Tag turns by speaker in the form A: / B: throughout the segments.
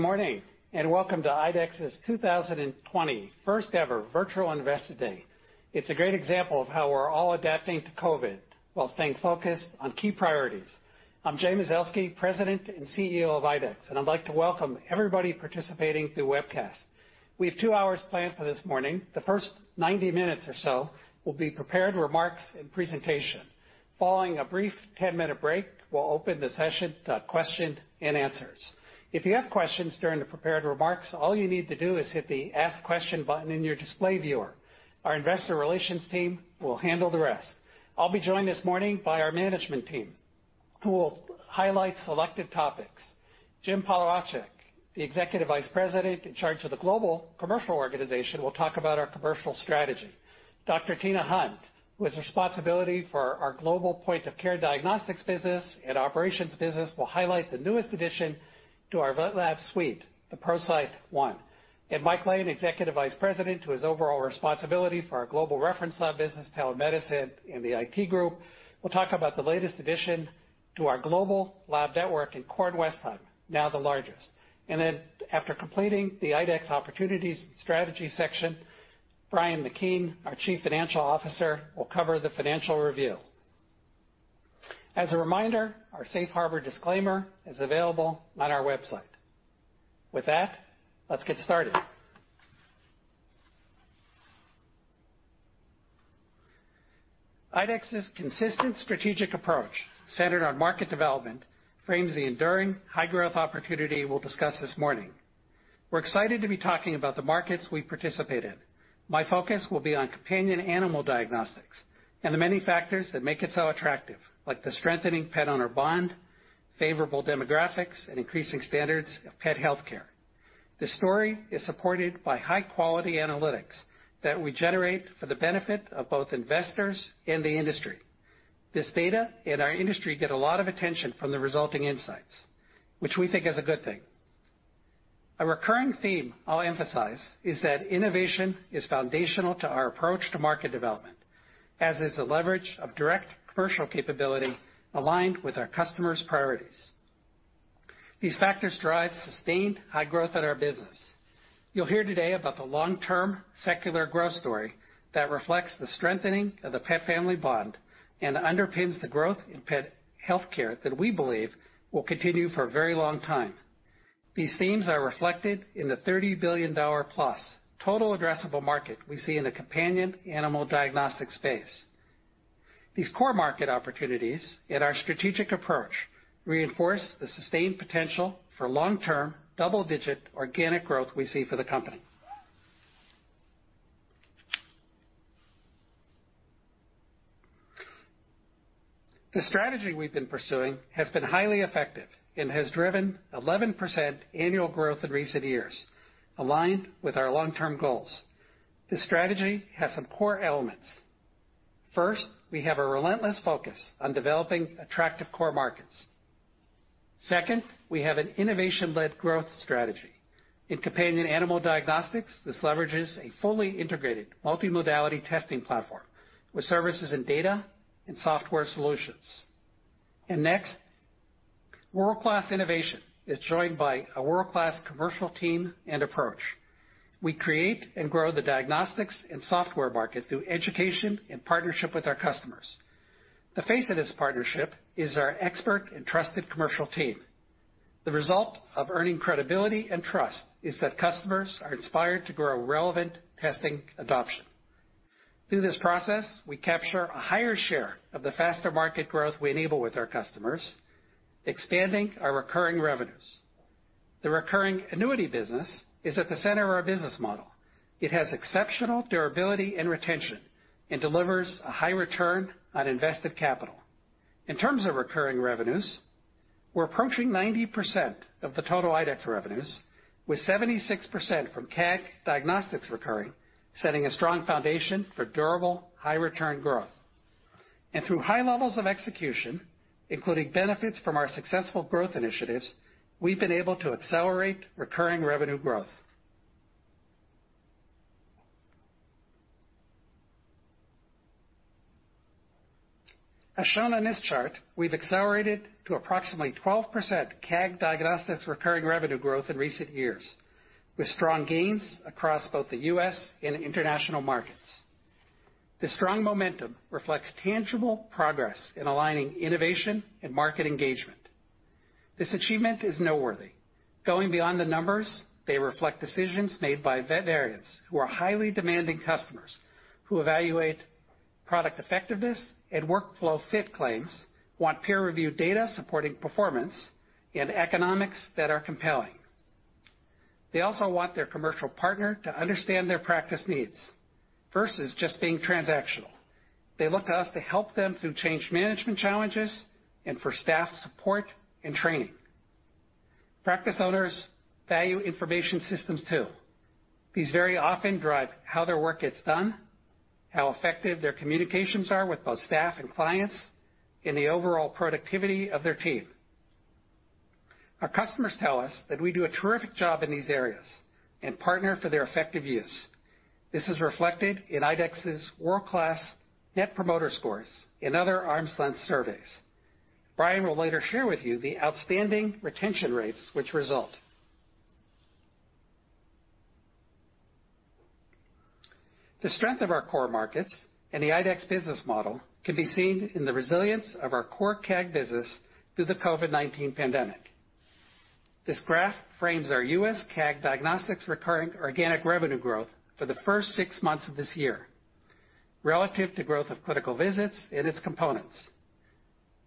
A: Good morning and welcome to IDEXX's 2020 first-ever virtual Investor Day. It's a great example of how we're all adapting to COVID while staying focused on key priorities. I'm Jay Mazelsky, President and CEO of IDEXX, and I'd like to welcome everybody participating through webcast. We have two hours planned for this morning. The first 90 minutes or so will be prepared remarks and presentation. Following a brief 10-minute break, we'll open the session to questions and answers. If you have questions during the prepared remarks, all you need to do is hit the Ask Question button in your display viewer. Our investor relations team will handle the rest. I'll be joined this morning by our management team, who will highlight selected topics. Jim Polewaczyk, the Executive Vice President in charge of the global commercial organization, will talk about our commercial strategy. Dr. Tina Hunt, who has responsibility for our global point-of-care diagnostics business and operations business, will highlight the newest addition to our vet lab suite, the ProCyte One. Mike Lane, Executive Vice President, who has overall responsibility for our global reference lab business, Pathology and Laboratory Medicine, and the IT group, will talk about the latest addition to our global lab network in Kornwestheim, now the largest, and then after completing the IDEXX opportunities and strategy section, Brian McKeon, our Chief Financial Officer, will cover the financial review. As a reminder, our safe harbor disclaimer is available on our website. With that, let's get started. IDEXX's consistent strategic approach centered on market development frames the enduring high-growth opportunity we'll discuss this morning. We're excited to be talking about the markets we participate in. My focus will be on companion animal diagnostics and the many factors that make it so attractive, like the strengthening pet owner bond, favorable demographics, and increasing standards of pet healthcare. The story is supported by high-quality analytics that we generate for the benefit of both investors and the industry. This data and our industry get a lot of attention from the resulting insights, which we think is a good thing. A recurring theme I'll emphasize is that innovation is foundational to our approach to market development, as is the leverage of direct commercial capability aligned with our customers' priorities. These factors drive sustained high growth in our business. You'll hear today about the long-term secular growth story that reflects the strengthening of the pet-family bond and underpins the growth in pet healthcare that we believe will continue for a very long time. These themes are reflected in the $30 billion-plus total addressable market we see in the companion animal diagnostic space. These core market opportunities and our strategic approach reinforce the sustained potential for long-term double-digit organic growth we see for the company. The strategy we've been pursuing has been highly effective and has driven 11% annual growth in recent years, aligned with our long-term goals. This strategy has some core elements. First, we have a relentless focus on developing attractive core markets. Second, we have an innovation-led growth strategy. In companion animal diagnostics, this leverages a fully integrated multi-modality testing platform with services and data and software solutions. Next, world-class innovation is joined by a world-class commercial team and approach. We create and grow the diagnostics and software market through education and partnership with our customers. The face of this partnership is our expert and trusted commercial team. The result of earning credibility and trust is that customers are inspired to grow relevant testing adoption. Through this process, we capture a higher share of the faster market growth we enable with our customers, expanding our recurring revenues. The recurring annuity business is at the center of our business model. It has exceptional durability and retention and delivers a high return on invested capital. In terms of recurring revenues, we're approaching 90% of the total IDEXX revenues, with 76% from CAG Diagnostics recurring, setting a strong foundation for durable, high-return growth, and through high levels of execution, including benefits from our successful growth initiatives, we've been able to accelerate recurring revenue growth. As shown on this chart, we've accelerated to approximately 12% CAG Diagnostics recurring revenue growth in recent years, with strong gains across both the U.S. and international markets. This strong momentum reflects tangible progress in aligning innovation and market engagement. This achievement is noteworthy. Going beyond the numbers, they reflect decisions made by veterinarians who are highly demanding customers who evaluate product effectiveness and workflow fit claims, want peer-reviewed data supporting performance, and economics that are compelling. They also want their commercial partner to understand their practice needs versus just being transactional. They look to us to help them through change management challenges and for staff support and training. Practice owners value information systems, too. These very often drive how their work gets done, how effective their communications are with both staff and clients, and the overall productivity of their team. Our customers tell us that we do a terrific job in these areas and partner for their effective use. This is reflected in IDEXX's world-class Net Promoter Scores in other arm's length surveys. Brian will later share with you the outstanding retention rates which result. The strength of our core markets and the IDEXX business model can be seen in the resilience of our core CAG business through the COVID-19 pandemic. This graph frames our U.S. CAG diagnostics recurring organic revenue growth for the first six months of this year relative to growth of clinical visits and its components,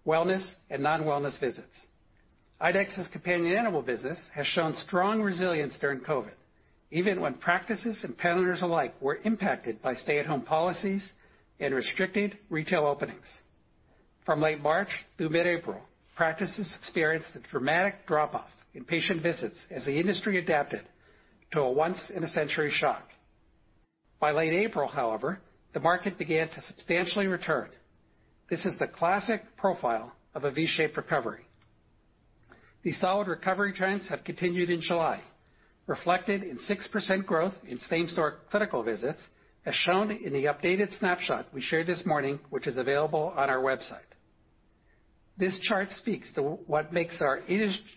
A: wellness and non-wellness visits. IDEXX's companion animal business has shown strong resilience during COVID, even when practices and pet owners alike were impacted by stay-at-home policies and restricted retail openings. From late March through mid-April, practices experienced a dramatic drop-off in patient visits as the industry adapted to a once-in-a-century shock. By late April, however, the market began to substantially return. This is the classic profile of a V-shaped recovery. These solid recovery trends have continued in July, reflected in 6% growth in same-store clinical visits, as shown in the updated snapshot we shared this morning, which is available on our website. This chart speaks to what makes our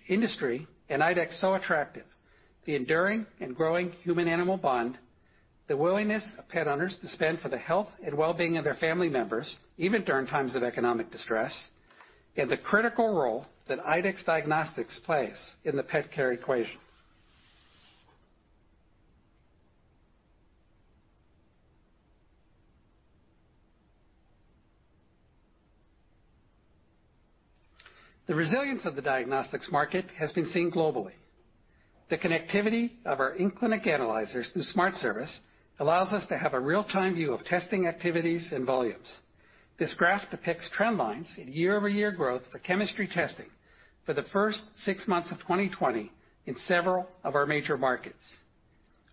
A: industry and IDEXX so attractive, the enduring and growing human-animal bond, the willingness of pet owners to spend for the health and well-being of their family members, even during times of economic distress, and the critical role that IDEXX Diagnostics plays in the pet care equation. The resilience of the diagnostics market has been seen globally. The connectivity of our in-clinic analyzers, the SmartService, allows us to have a real-time view of testing activities and volumes. This graph depicts trend lines in year-over-year growth for chemistry testing for the first six months of 2020 in several of our major markets.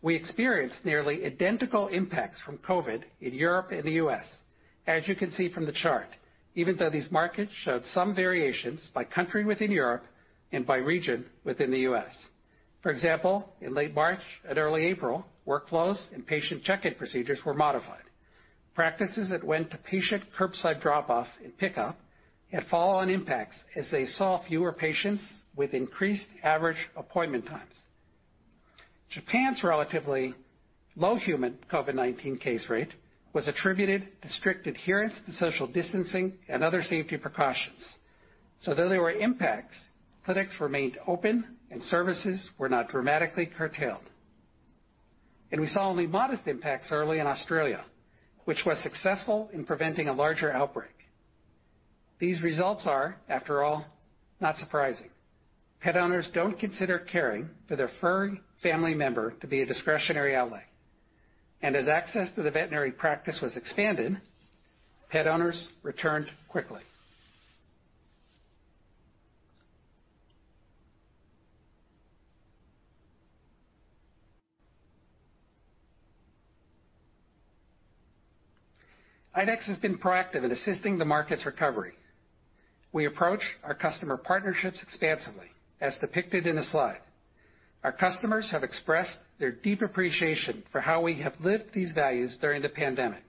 A: We experienced nearly identical impacts from COVID in Europe and the U.S., as you can see from the chart, even though these markets showed some variations by country within Europe and by region within the U.S. For example, in late March and early April, workflows and patient check-in procedures were modified. Practices that went to patient curbside drop-off and pickup had follow-on impacts as they saw fewer patients with increased average appointment times. Japan's relatively low human COVID-19 case rate was attributed to strict adherence to social distancing and other safety precautions. Though there were impacts, clinics remained open and services were not dramatically curtailed. We saw only modest impacts early in Australia, which was successful in preventing a larger outbreak. These results are, after all, not surprising. Pet owners don't consider caring for their furry family member to be a discretionary outlay. As access to the veterinary practice was expanded, pet owners returned quickly. IDEXX has been proactive in assisting the market's recovery. We approach our customer partnerships expansively, as depicted in the slide. Our customers have expressed their deep appreciation for how we have lived these values during the pandemic.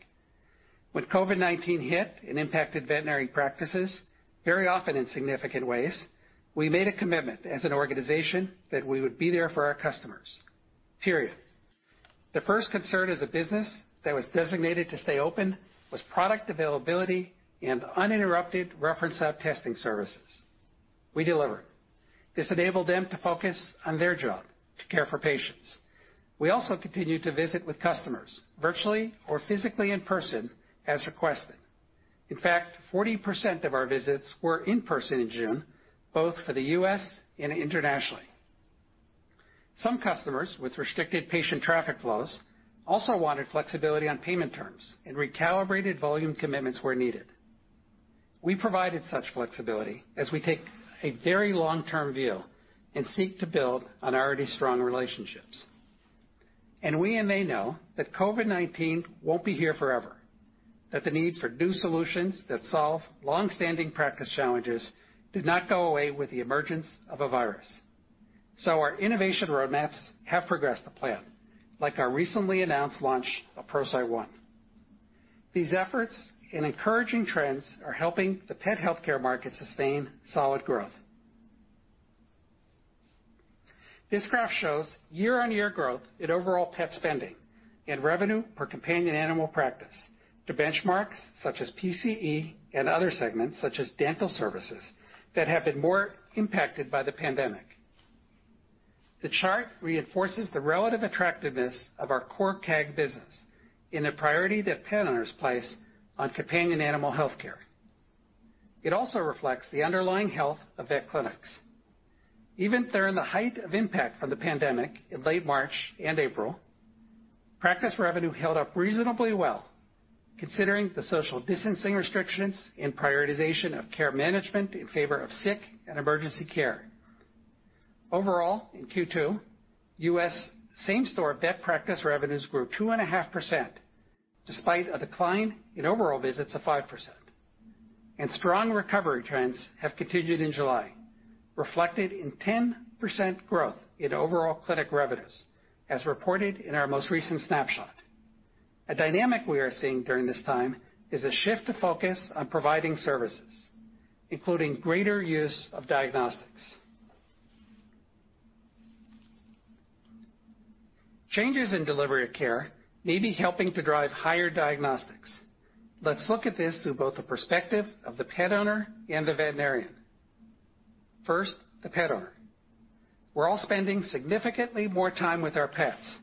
A: When COVID-19 hit and impacted veterinary practices, very often in significant ways, we made a commitment as an organization that we would be there for our customers, period. The first concern as a business that was designated to stay open was product availability and uninterrupted reference lab testing services. We delivered. This enabled them to focus on their job, to care for patients. We also continued to visit with customers virtually or physically in person, as requested. In fact, 40% of our visits were in-person in June, both for the U.S. and internationally. Some customers with restricted patient traffic flows also wanted flexibility on payment terms and recalibrated volume commitments where needed. We provided such flexibility as we take a very long-term view and seek to build on our already strong relationships. We and they know that COVID-19 won't be here forever, that the need for new solutions that solve long-standing practice challenges did not go away with the emergence of a virus. Our innovation roadmaps have progressed the plan, like our recently announced launch of ProCyte One. These efforts and encouraging trends are helping the pet healthcare market sustain solid growth. This graph shows year-on-year growth in overall pet spending and revenue per companion animal practice through benchmarks such as PCE and other segments such as dental services that have been more impacted by the pandemic. The chart reinforces the relative attractiveness of our core CAG business in the priority that pet owners place on companion animal healthcare. It also reflects the underlying health of vet clinics. Even during the height of impact from the pandemic in late March and April, practice revenue held up reasonably well, considering the social distancing restrictions and prioritization of care management in favor of sick and emergency care. Overall, in Q2, U.S. same-store vet practice revenues grew 2.5% despite a decline in overall visits of 5%. Strong recovery trends have continued in July, reflected in 10% growth in overall clinic revenues, as reported in our most recent snapshot. A dynamic we are seeing during this time is a shift of focus on providing services, including greater use of diagnostics. Changes in delivery of care may be helping to drive higher diagnostics. Let's look at this through both the perspective of the pet owner and the veterinarian. First, the pet owner, we're all spending significantly more time with our pets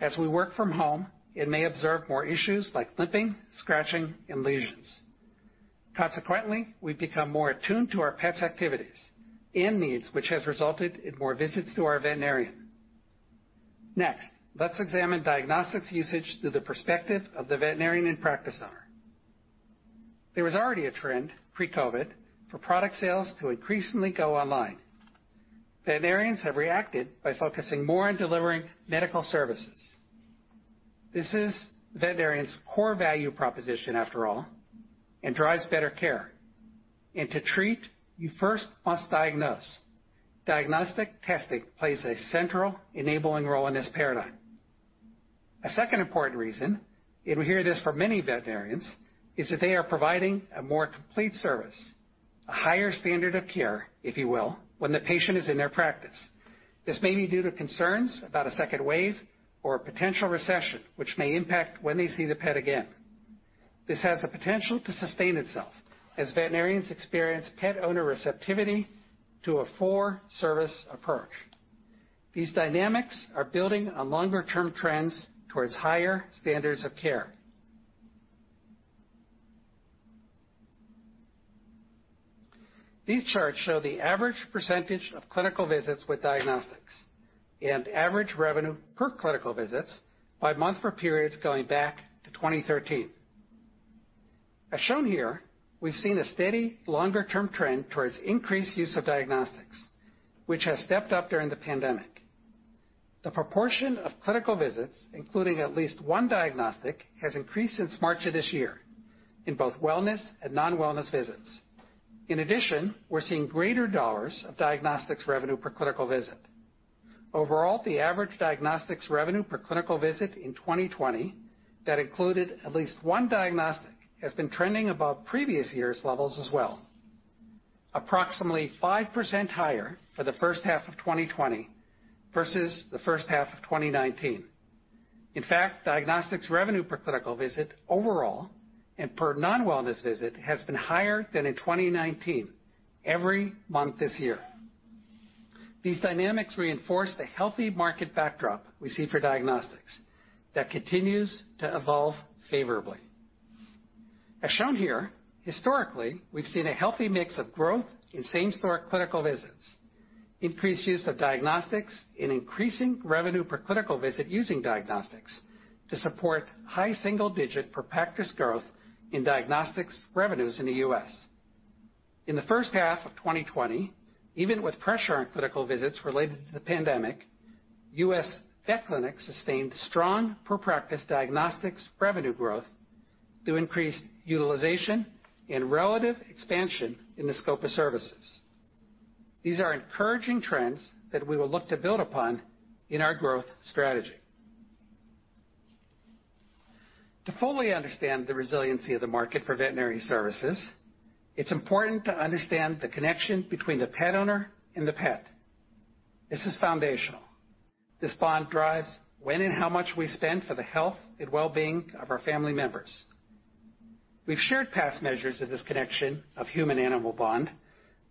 A: as we work from home and may observe more issues like limping, scratching, and lesions. Consequently, we've become more attuned to our pets' activities and needs, which has resulted in more visits to our veterinarian. Next, let's examine diagnostics usage through the perspective of the veterinarian and practice owner. There was already a trend pre-COVID-19 for product sales to increasingly go online. Veterinarians have reacted by focusing more on delivering medical services. This is veterinarians' core value proposition after all, and drives better care. To treat, you first must diagnose. Diagnostic testing plays a central enabling role in this paradigm. A second important reason, and we hear this from many veterinarians, is that they are providing a more complete service, a higher standard of care, if you will, when the patient is in their practice. This may be due to concerns about a second wave or a potential recession, which may impact when they see the pet again. This has the potential to sustain itself as veterinarians experience pet owner receptivity to a full-service approach. These dynamics are building on longer term trends towards higher standards of care. These charts show the average percentage of clinical visits with diagnostics and average revenue per clinical visits by month for periods going back to 2013. As shown here, we've seen a steady longer term trend towards increased use of diagnostics, which has stepped up during the pandemic. The proportion of clinical visits, including at least one diagnostic, has increased since March of this year in both wellness and non-wellness visits. In addition, we're seeing greater dollars of diagnostics revenue per clinical visit. Overall, the average diagnostics revenue per clinical visit in 2020 that included at least one diagnostic has been trending above previous years' levels as well, approximately 5% higher for the first half of 2020 versus the first half of 2019. In fact, diagnostics revenue per clinical visit overall, and per non-wellness visit has been higher than in 2019, every month this year. These dynamics reinforce the healthy market backdrop we see for diagnostics that continues to evolve favorably. As shown here, historically, we've seen a healthy mix of growth in same-store clinical visits, increased use of diagnostics, an increasing revenue per clinical visit using diagnostics to support high single-digit per practice growth in diagnostics revenues in the U.S. In the first half of 2020, even with pressure on clinical visits related to the pandemic, U.S. vet clinics sustained strong per practice diagnostics revenue growth through increased utilization and relative expansion in the scope of services. These are encouraging trends that we will look to build upon in our growth strategy. To fully understand the resiliency of the market for veterinary services, it's important to understand the connection between the pet owner and the pet. This is foundational. This bond drives when and how much we spend for the health and well-being of our family members. We've shared past measures of this connection of human animal bond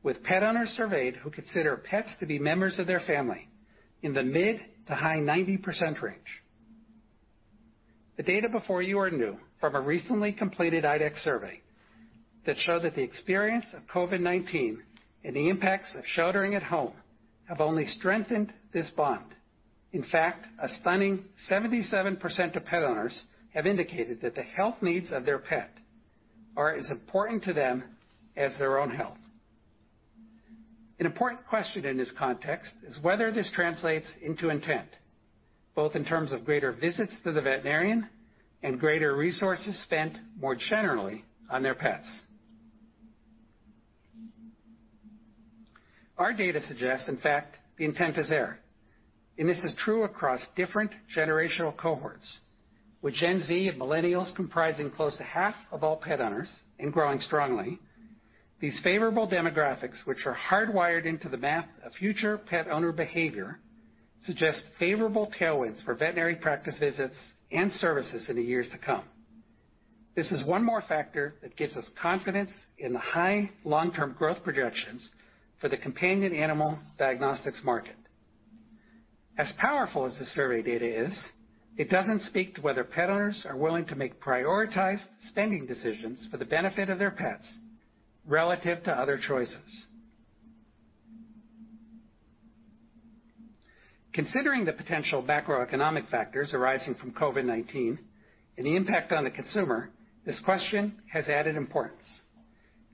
A: with pet owners surveyed who consider pets to be members of their family in the mid to high 90% range. The data before you are new from a recently completed IDEXX survey that show that the experience of COVID-19 and the impacts of sheltering at home have only strengthened this bond. In fact, a stunning 77% of pet owners have indicated that the health needs of their pet are as important to them as their own health. An important question in this context is whether this translates into intent, both in terms of greater visits to the veterinarian and greater resources spent more generally on their pets. Our data suggests, in fact, the intent is there, and this is true across different generational cohorts. With Gen Z and millennials comprising close to half of all pet owners and growing strongly, these favorable demographics, which are hardwired into the math of future pet owner behavior, suggest favorable tailwinds for veterinary practice visits and services in the years to come. This is one more factor that gives us confidence in the high long-term growth projections for the companion animal diagnostics market. As powerful as the survey data is, it doesn't speak to whether pet owners are willing to make prioritized spending decisions for the benefit of their pets relative to other choices. Considering the potential macroeconomic factors arising from COVID-19 and the impact on the consumer, this question has added importance,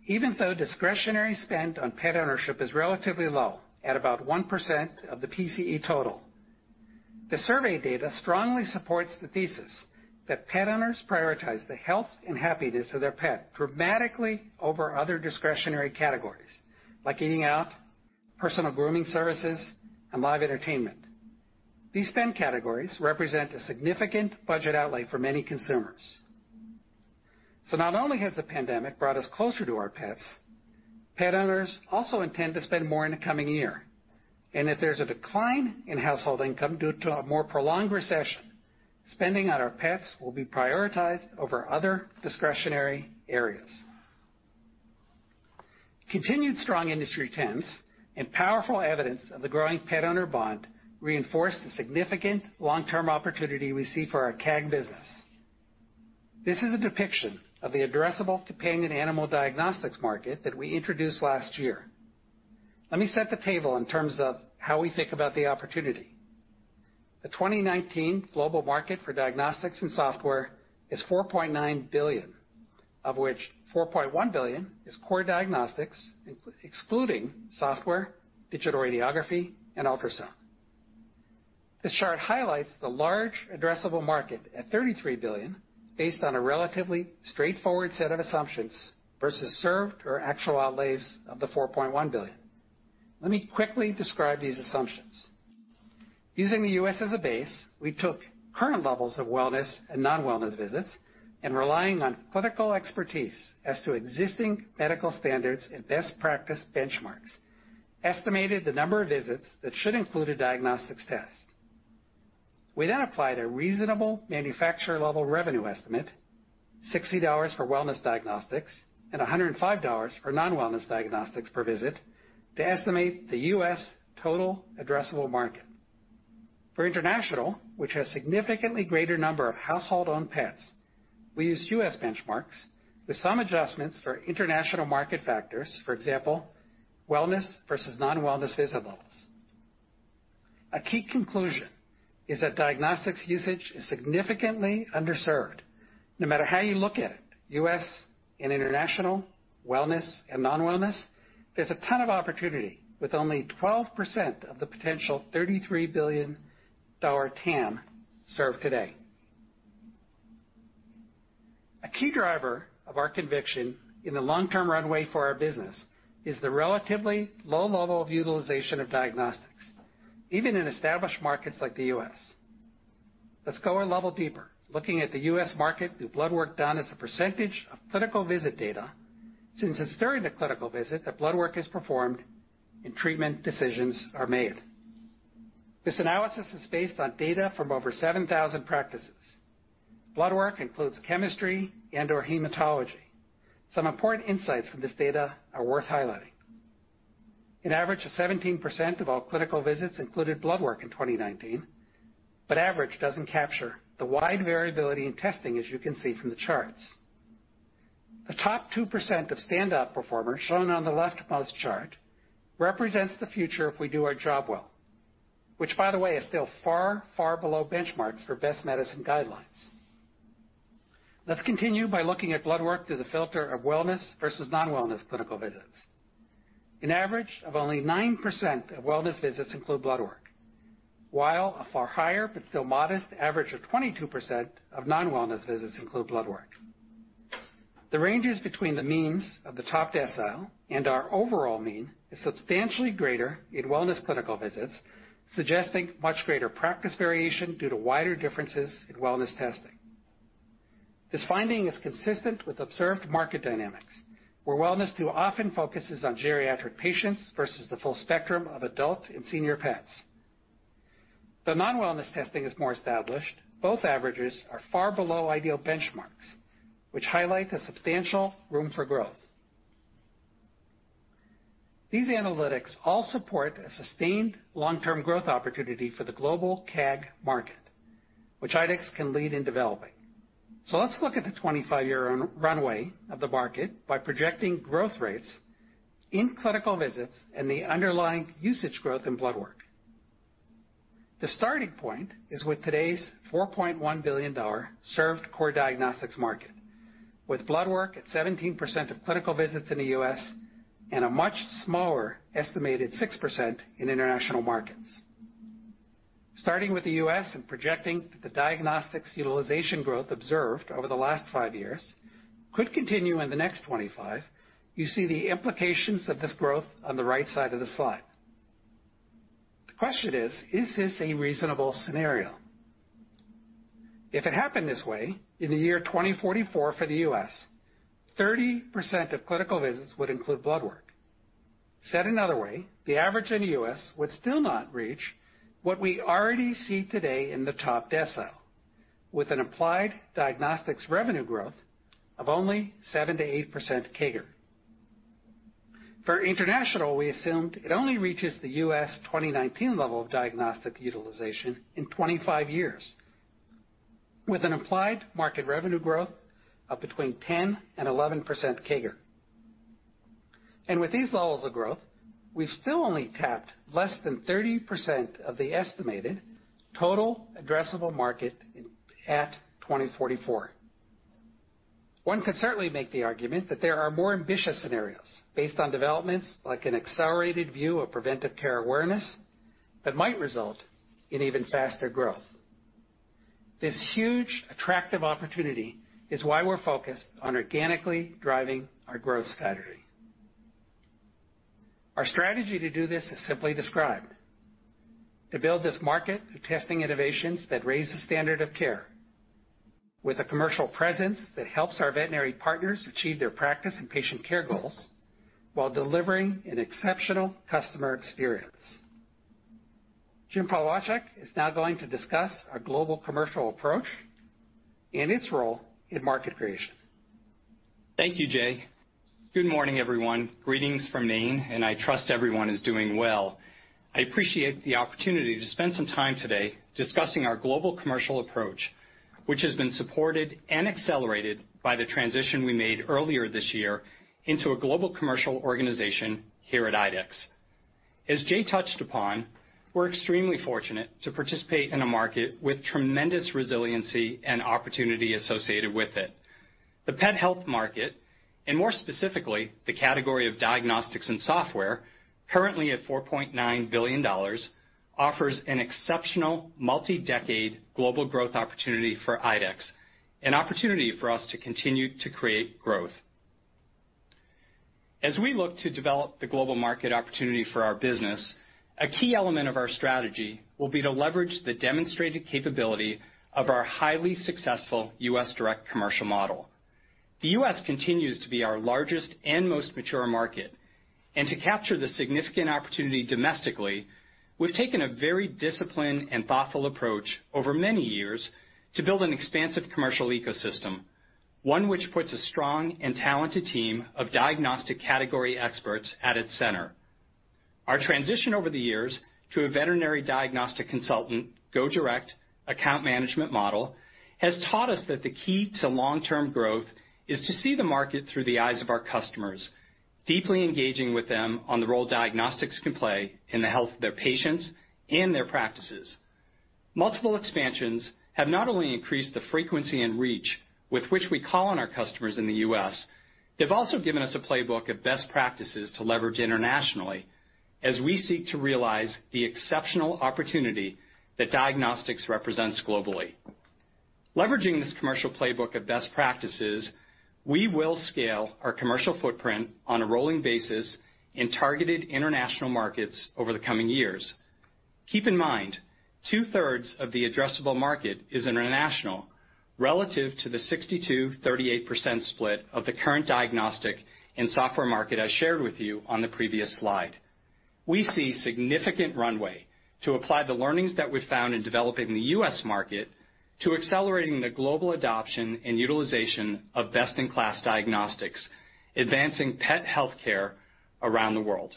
A: even though discretionary spend on pet ownership is relatively low, at about 1% of the PCE total. The survey data strongly supports the thesis that pet owners prioritize the health and happiness of their pet dramatically over other discretionary categories like eating out, personal grooming services, and live entertainment. These spend categories represent a significant budget outlay for many consumers. Not only has the pandemic brought us closer to our pets, pet owners also intend to spend more in the coming year. If there's a decline in household income due to a more prolonged recession, spending on our pets will be prioritized over other discretionary areas. Continued strong industry trends and powerful evidence of the growing pet-owner bond reinforce the significant long-term opportunity we see for our CAG business. This is a depiction of the addressable companion animal diagnostics market that we introduced last year. Let me set the table in terms of how we think about the opportunity. The 2019 global market for diagnostics and software is $4.9 billion, of which $4.1 billion is core diagnostics, excluding software, digital radiography, and ultrasound. This chart highlights the large addressable market at $33 billion, based on a relatively straightforward set of assumptions versus served or actual outlays of the $4.1 billion. Let me quickly describe these assumptions. Using the U.S. as a base, we took current levels of wellness and non-wellness visits, and relying on clinical expertise as to existing medical standards and best practice benchmarks, estimated the number of visits that should include a diagnostics test. We then applied a reasonable manufacturer-level revenue estimate, $60 for wellness diagnostics and $105 for non-wellness diagnostics per visit, to estimate the U.S. total addressable market. For international, which has significantly greater number of household-owned pets, we used U.S. benchmarks with some adjustments for international market factors. For example, wellness versus non-wellness visit levels. A key conclusion is that diagnostics usage is significantly underserved. No matter how you look at it, U.S. and international, wellness and non-wellness, there's a ton of opportunity with only 12% of the potential $33 billion TAM served today. A key driver of our conviction in the long-term runway for our business is the relatively low level of utilization of diagnostics, even in established markets like the U.S. Let's go a level deeper, looking at the U.S. market through blood work done as a percentage of clinical visit data, since it's during the clinical visit that blood work is performed and treatment decisions are made. This analysis is based on data from over 7,000 practices. Blood work includes chemistry and/or hematology. Some important insights from this data are worth highlighting. An average of 17% of all clinical visits included blood work in 2019. Average doesn't capture the wide variability in testing, as you can see from the charts. The top 2% of standout performers, shown on the leftmost chart, represents the future if we do our job well, which, by the way, is still far, far below benchmarks for best medicine guidelines. Let's continue by looking at blood work through the filter of wellness versus non-wellness clinical visits. An average of only 9% of wellness visits include blood work, while a far higher, but still modest average of 22% of non-wellness visits include blood work. The ranges between the means of the top decile and our overall mean is substantially greater in wellness clinical visits, suggesting much greater practice variation due to wider differences in wellness testing. This finding is consistent with observed market dynamics, where wellness too often focuses on geriatric patients versus the full spectrum of adult and senior pets. The non-wellness testing is more established. Both averages are far below ideal benchmarks, which highlight the substantial room for growth. These analytics all support a sustained long-term growth opportunity for the global CAG market, which IDEXX can lead in developing. Let's look at the 25-year runway of the market by projecting growth rates in clinical visits and the underlying usage growth in blood work. The starting point is with today's $4.1 billion served core diagnostics market, with blood work at 17% of clinical visits in the U.S. and a much smaller estimated 6% in international markets. Starting with the U.S. and projecting that the diagnostics utilization growth observed over the last five years could continue in the next 25, you see the implications of this growth on the right side of the slide. The question is: is this a reasonable scenario? If it happened this way, in the year 2044 for the U.S., 30% of clinical visits would include blood work. Said another way, the average in the U.S. would still not reach what we already see today in the top decile, with an applied diagnostics revenue growth of only 7% to 8% CAGR. For international, we assumed it only reaches the U.S. 2019 level of diagnostic utilization in 25 years with an implied market revenue growth of between 10% and 11% CAGR. With these levels of growth, we've still only tapped less than 30% of the estimated total addressable market at 2044. One could certainly make the argument that there are more ambitious scenarios based on developments like an accelerated view of preventive care awareness that might result in even faster growth. This huge, attractive opportunity is why we're focused on organically driving our growth strategy. Our strategy to do this is simply described, to build this market through testing innovations that raise the standard of care, with a commercial presence that helps our veterinary partners achieve their practice and patient care goals while delivering an exceptional customer experience. Jim Polewaczyk is now going to discuss our global commercial approach and its role in market creation.
B: Thank you, Jay. Good morning, everyone, greetings from Maine, and I trust everyone is doing well. I appreciate the opportunity to spend some time today discussing our global commercial approach, which has been supported and accelerated by the transition we made earlier this year into a global commercial organization here at IDEXX. As Jay touched upon, we're extremely fortunate to participate in a market with tremendous resiliency and opportunity associated with it. The pet health market, and more specifically, the category of diagnostics and software, currently at $4.9 billion, offers an exceptional multi-decade global growth opportunity for IDEXX, an opportunity for us to continue to create growth. As we look to develop the global market opportunity for our business, a key element of our strategy will be to leverage the demonstrated capability of our highly successful U.S. direct commercial model. The U.S. continues to be our largest and most mature market, and to capture the significant opportunity domestically, we've taken a very disciplined and thoughtful approach over many years to build an expansive commercial ecosystem, one which puts a strong and talented team of diagnostic category experts at its center. Our transition over the years to a veterinary diagnostic consultant Go Direct account management model has taught us that the key to long-term growth is to see the market through the eyes of our customers, deeply engaging with them on the role diagnostics can play in the health of their patients and their practices. Multiple expansions have not only increased the frequency and reach with which we call on our customers in the U.S., they've also given us a playbook of best practices to leverage internationally as we seek to realize the exceptional opportunity that diagnostics represents globally. Leveraging this commercial playbook of best practices, we will scale our commercial footprint on a rolling basis in targeted international markets over the coming years. Keep in mind, 2/3 of the addressable market is international relative to the 62/38% split of the current diagnostic and software market I shared with you on the previous slide. We see significant runway to apply the learnings that we've found in developing the U.S. market to accelerating the global adoption and utilization of best-in-class diagnostics, advancing pet healthcare around the world.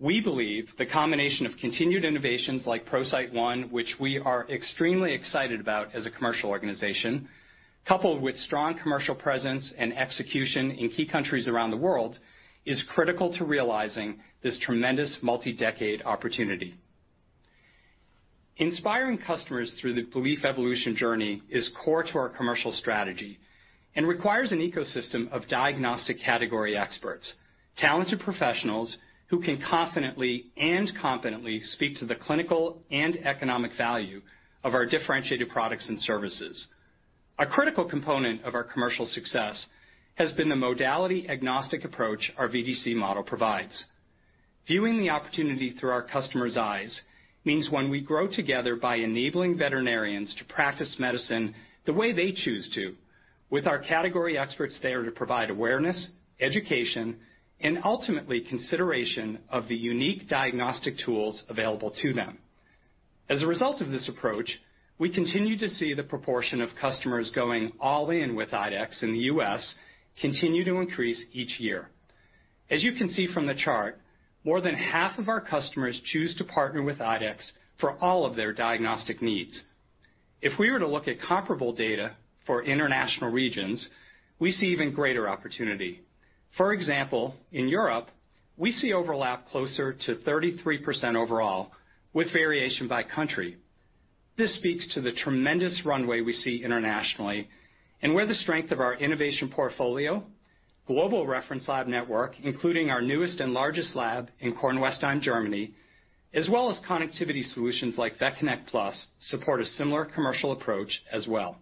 B: We believe the combination of continued innovations like ProCyte One, which we are extremely excited about as a commercial organization, coupled with strong commercial presence and execution in key countries around the world, is critical to realizing this tremendous multi-decade opportunity. Inspiring customers through the belief evolution journey is core to our commercial strategy and requires an ecosystem of diagnostic category experts, talented professionals who can confidently and competently speak to the clinical and economic value of our differentiated products and services. A critical component of our commercial success has been the modality-agnostic approach our VDC model provides. Viewing the opportunity through our customer's eyes means when we grow together by enabling veterinarians to practice medicine the way they choose to with our category experts there to provide awareness, education, and ultimately consideration of the unique diagnostic tools available to them. As a result of this approach, we continue to see the proportion of customers going all in with IDEXX in the U.S. continue to increase each year. As you can see from the chart, more than half of our customers choose to partner with IDEXX for all of their diagnostic needs. If we were to look at comparable data for international regions, we see even greater opportunity. For example, in Europe, we see overlap closer to 33% overall with variation by country. This speaks to the tremendous runway we see internationally and where the strength of our innovation portfolio, global reference lab network, including our newest and largest lab in Kornwestheim, Germany, as well as connectivity solutions like VetConnect PLUS, support a similar commercial approach as well.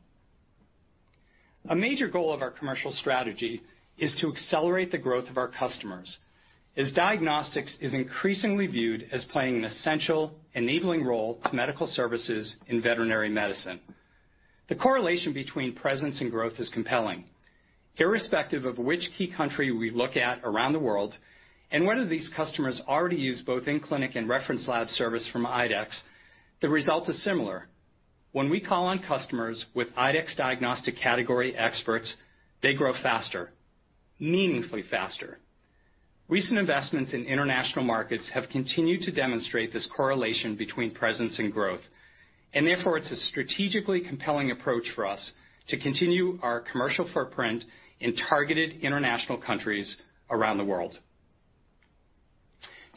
B: A major goal of our commercial strategy is to accelerate the growth of our customers, as diagnostics is increasingly viewed as playing an essential enabling role to medical services in veterinary medicine. The correlation between presence and growth is compelling. Irrespective of which key country we look at around the world and whether these customers already use both in-clinic and reference lab service from IDEXX, the results are similar. When we call on customers with IDEXX diagnostic category experts, they grow faster, meaningfully faster. Recent investments in international markets have continued to demonstrate this correlation between presence and growth, and therefore, it's a strategically compelling approach for us to continue our commercial footprint in targeted international countries around the world.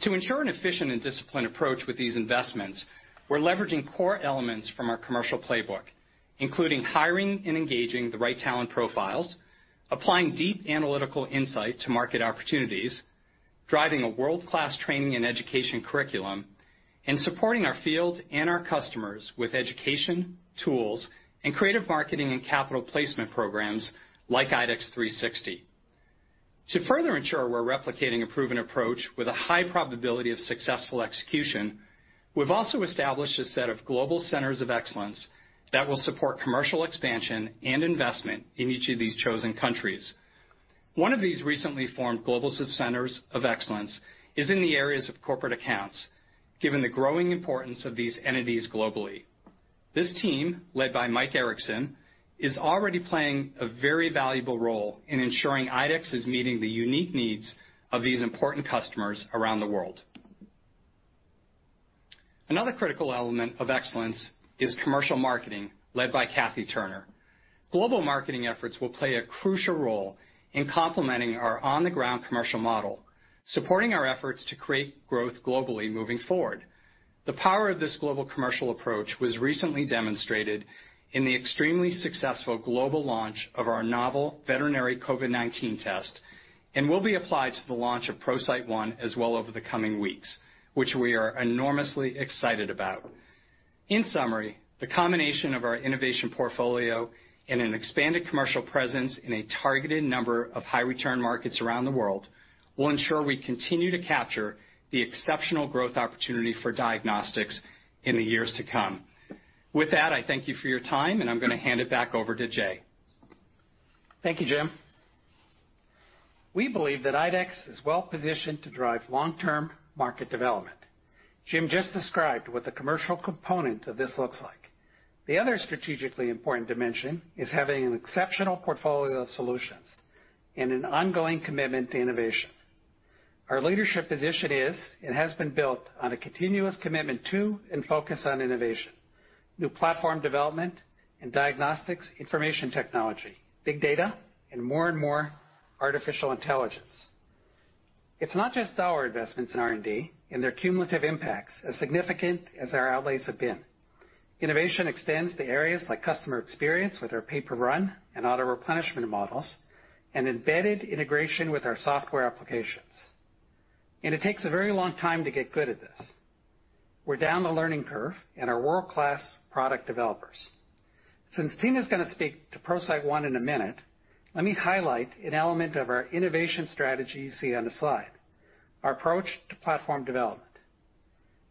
B: To ensure an efficient and disciplined approach with these investments, we're leveraging core elements from our commercial playbook, including hiring and engaging the right talent profiles, applying deep analytical insight to market opportunities, driving a world-class training and education curriculum, and supporting our field and our customers with education, tools, and creative marketing and capital placement programs like IDEXX 360. To further ensure we're replicating a proven approach with a high probability of successful execution, we've also established a set of global centers of excellence that will support commercial expansion and investment in each of these chosen countries. One of these recently formed global centers of excellence is in the areas of corporate accounts, given the growing importance of these entities globally. This team, led by Michael Erickson, is already playing a very valuable role in ensuring IDEXX is meeting the unique needs of these important customers around the world. Another critical element of excellence is commercial marketing, led by Kathy Turner. Global marketing efforts will play a crucial role in complementing our on-the-ground commercial model, supporting our efforts to create growth globally moving forward. The power of this global commercial approach was recently demonstrated in the extremely successful global launch of our novel veterinary COVID-19 test and will be applied to the launch of ProCyte One as well over the coming weeks, which we are enormously excited about. In summary, the combination of our innovation portfolio and an expanded commercial presence in a targeted number of high-return markets around the world will ensure we continue to capture the exceptional growth opportunity for diagnostics in the years to come. With that, I thank you for your time, and I'm going to hand it back over to Jay.
A: Thank you, Jim. We believe that IDEXX is well positioned to drive long-term market development. Jim just described what the commercial component of this looks like. The other strategically important dimension is having an exceptional portfolio of solutions and an ongoing commitment to innovation. Our leadership position is, and has been built on a continuous commitment to and focus on innovation, new platform development, and diagnostics information technology, big data, and more and more artificial intelligence. It's not just our investments in R&D and their cumulative impacts, as significant as our outlays have been. Innovation extends to areas like customer experience with our pay-per-run and auto-replenishment models, and embedded integration with our software applications. It takes a very long time to get good at this. We're down the learning curve and are world-class product developers. Since Tina's going to speak to ProCyte One in a minute, let me highlight an element of our innovation strategy you see on the slide, our approach to platform development.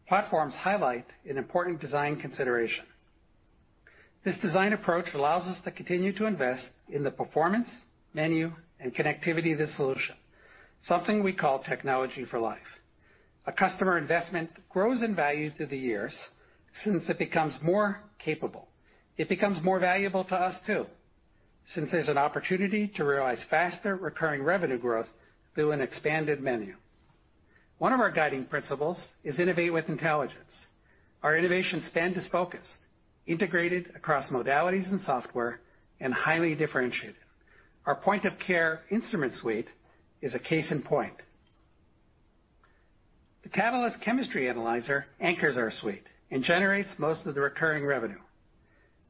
A: Platforms highlight an important design consideration. This design approach allows us to continue to invest in the performance, menu, and connectivity of the solution, something we call Technology for Life. A customer investment grows in value through the years since it becomes more capable. It becomes more valuable to us, too, since there's an opportunity to realize faster recurring revenue growth through an expanded menu. One of our guiding principles is innovate with intelligence. Our innovation span is focused, integrated across modalities and software, and highly differentiated. Our point of care instrument suite is a case in point. The Catalyst chemistry analyzer anchors our suite and generates most of the recurring revenue.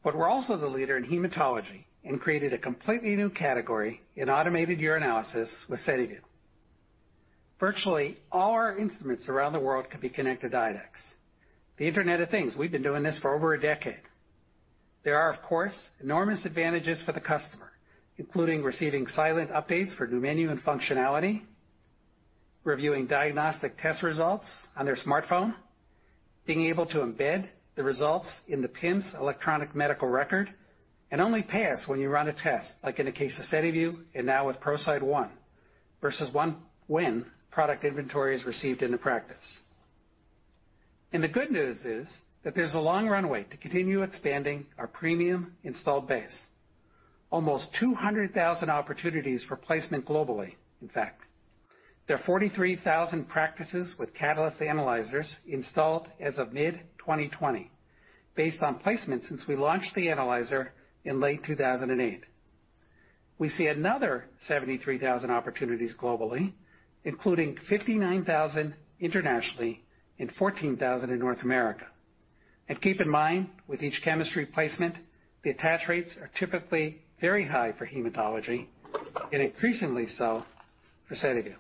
A: We're also the leader in hematology and created a completely new category in automated urinalysis with SediVue. Virtually all our instruments around the world can be connected to IDEXX. The Internet of Things, we've been doing this for over a decade. There are, of course, enormous advantages for the customer, including receiving silent updates for new menu and functionality, reviewing diagnostic test results on their smartphone, being able to embed the results in the PIMS electronic medical record, and only pay us when you run a test, like in the case of SediVue and now with ProCyte One, versus when product inventory is received in the practice. The good news is that there's a long runway to continue expanding our premium installed base. Almost 200,000 opportunities for placement globally, in fact. There are 43,000 practices with Catalyst analyzers installed as of mid-2020 based on placements since we launched the analyzer in late 2008. We see another 73,000 opportunities globally, including 59,000 internationally, and 14,000 in North America. Keep in mind, with each chemistry placement, the attach rates are typically very high for hematology and increasingly so for SediVue.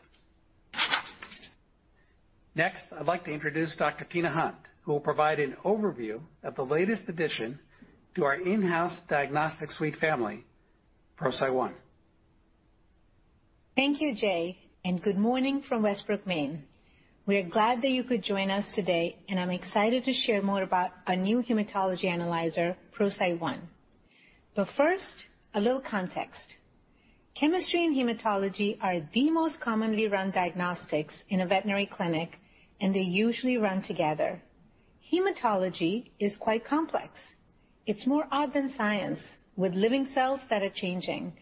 A: Next, I'd like to introduce Dr. Tina Hunt, who will provide an overview of the latest addition to our in-house diagnostic suite family, ProCyte One.
C: Thank you, Jay, and good morning from Westbrook, Maine. We are glad that you could join us today, and I'm excited to share more about our new hematology analyzer, ProCyte One but, first, a little context. Chemistry and hematology are the most commonly run diagnostics in a veterinary clinic, and they usually run together. Hematology is quite complex. It's more art than science, with living cells that are changing.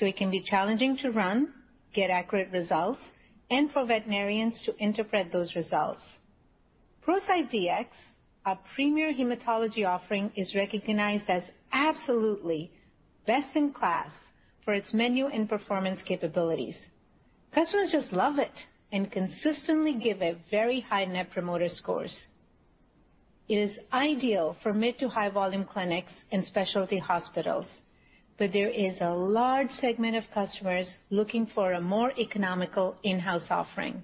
C: It can be challenging to run, get accurate results, and for veterinarians to interpret those results. ProCyte Dx, our premier hematology offering, is recognized as absolutely best in class for its menu and performance capabilities. Customers just love it and consistently give it very high Net Promoter Scores. It is ideal for mid-to-high volume clinics and specialty hospitals, but there is a large segment of customers looking for a more economical in-house offering.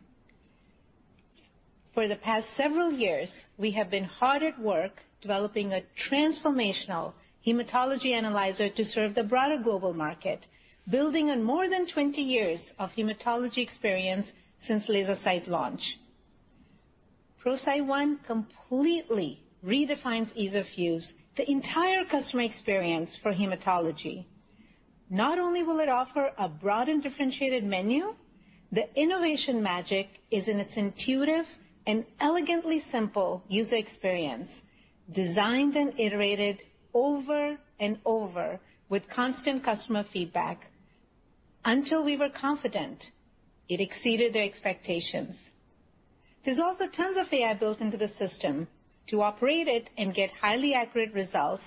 C: For the past several years, we have been hard at work developing a transformational hematology analyzer to serve the broader global market, building on more than 20 years of hematology experience since LaserCyte launch. ProCyte One completely redefines ease of use, the entire customer experience for hematology. Not only will it offer a broad and differentiated menu, the innovation magic is in its intuitive and elegantly simple user experience, designed and iterated over and over with constant customer feedback until we were confident it exceeded their expectations. There's also tons of AI built into the system to operate it and get highly accurate results,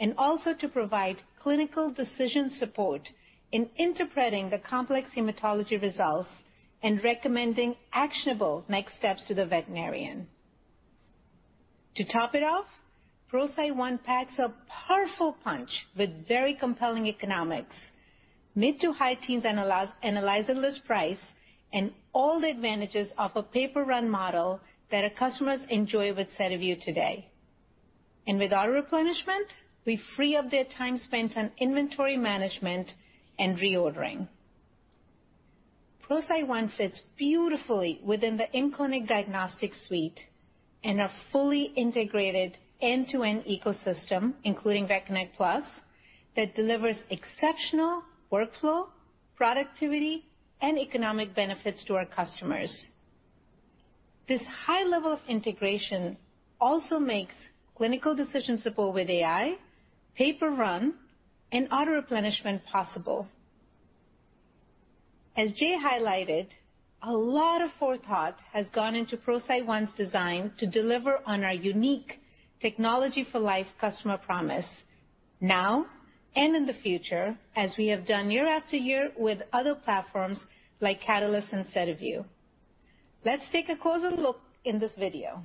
C: and also to provide clinical decision support in interpreting the complex hematology results and recommending actionable next steps to the veterinarian. To top it off, ProCyte One packs a powerful punch with very compelling economics, mid-to-high teens analyzer list price, and all the advantages of a pay-per-run model that our customers enjoy with SediVue today. With auto-replenishment, we free up their time spent on inventory management and reordering. ProCyte One fits beautifully within the in-clinic diagnostic suite and our fully integrated end-to-end ecosystem, including VetConnect PLUS, that delivers exceptional workflow, productivity, and economic benefits to our customers. This high level of integration also makes clinical decision support with AI, pay-per-run, and auto-replenishment possible. As Jay highlighted, a lot of forethought has gone into ProCyte One's design to deliver on our unique Technology for Life customer promise now and in the future, as we have done year after year with other platforms like Catalyst and SediVue. Let's take a closer look in this video.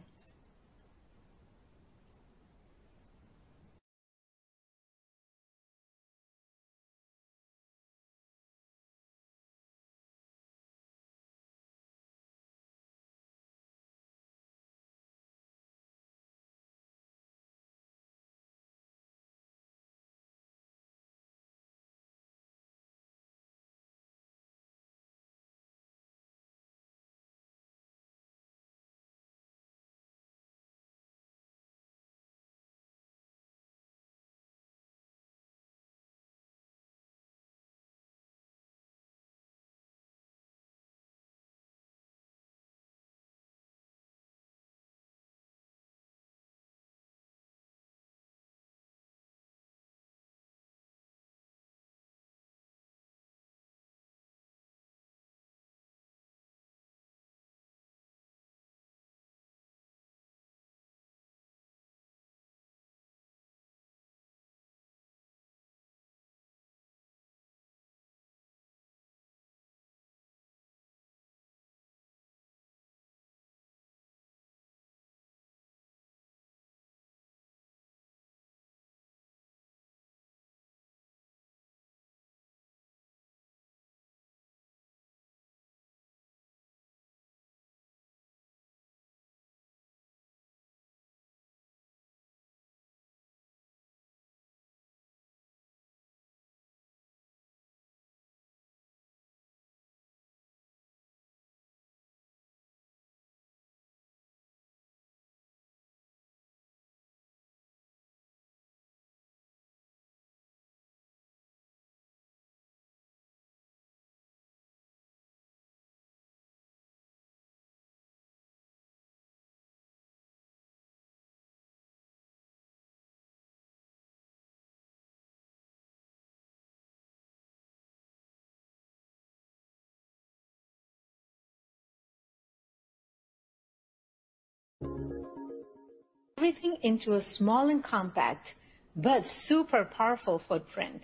C: Everything into a small and compact but super powerful footprint,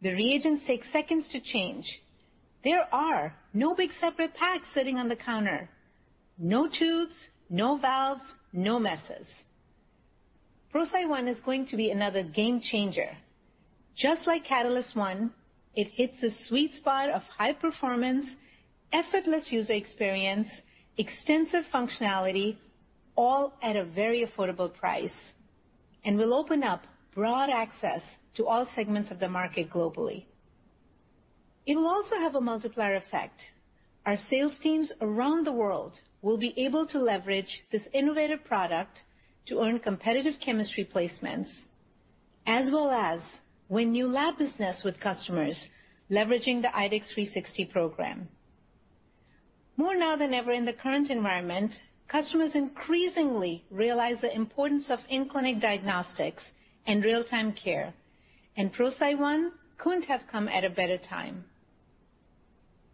C: the reagents take seconds to change. There are no big separate packs sitting on the counter, no tubes, no valves, no messes. ProCyte One is going to be another game changer, just like Catalyst One, it hits a sweet spot of high performance, effortless user experience, extensive functionality, all at a very affordable price, and will open up broad access to all segments of the market globally. It will also have a multiplier effect. Our sales teams around the world will be able to leverage this innovative product to earn competitive chemistry placements, as well as win new lab business with customers leveraging the IDEXX 360 program. More now than ever in the current environment, customers increasingly realize the importance of in-clinic diagnostics and real-time care, and ProCyte One couldn't have come at a better time.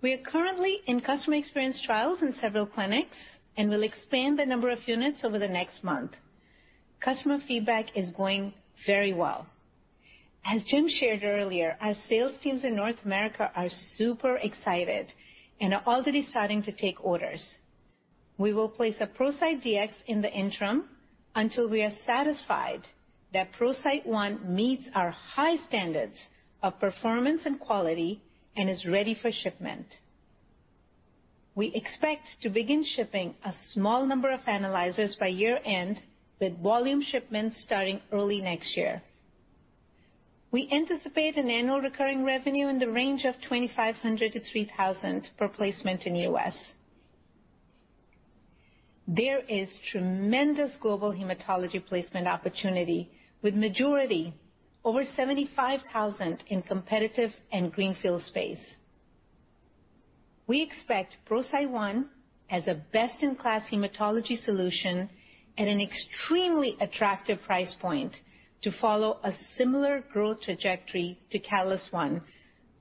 C: We are currently in customer experience trials in several clinics, and we'll expand the number of units over the next month. Customer feedback is going very well. As Jim shared earlier, our sales teams in North America are super excited and are already starting to take orders. We will place a ProCyte Dx in the interim until we are satisfied that ProCyte One meets our high standards of performance and quality and is ready for shipment. We expect to begin shipping a small number of analyzers by year-end, with volume shipments starting early next year. We anticipate an annual recurring revenue in the range of $2,500 to $3,000 per placement in the U.S. There is tremendous global hematology placement opportunity with majority over 75,000 in competitive and greenfield space. We expect ProCyte One as a best-in-class hematology solution at an extremely attractive price point to follow a similar growth trajectory to Catalyst One,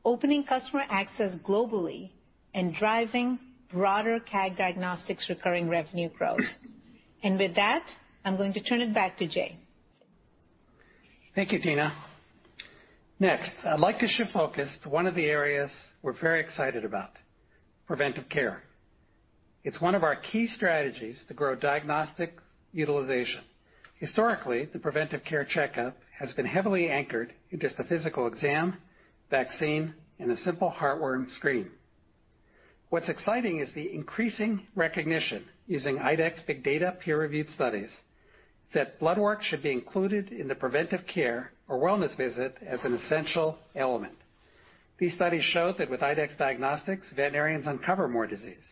C: opening customer access globally and driving broader CAG Diagnostics recurring revenue growth. With that, I'm going to turn it back to Jay.
A: Thank you, Tina. Next, I'd like to shift focus to one of the areas we're very excited about, preventive care. It's one of our key strategies to grow diagnostic utilization. Historically, the preventive care checkup has been heavily anchored in just a physical exam, vaccine, and a simple heartworm screen. What's exciting is the increasing recognition using IDEXX big data peer-reviewed studies that blood work should be included in the preventive care or wellness visit as an essential element. These studies show that with IDEXX diagnostics, veterinarians uncover more disease.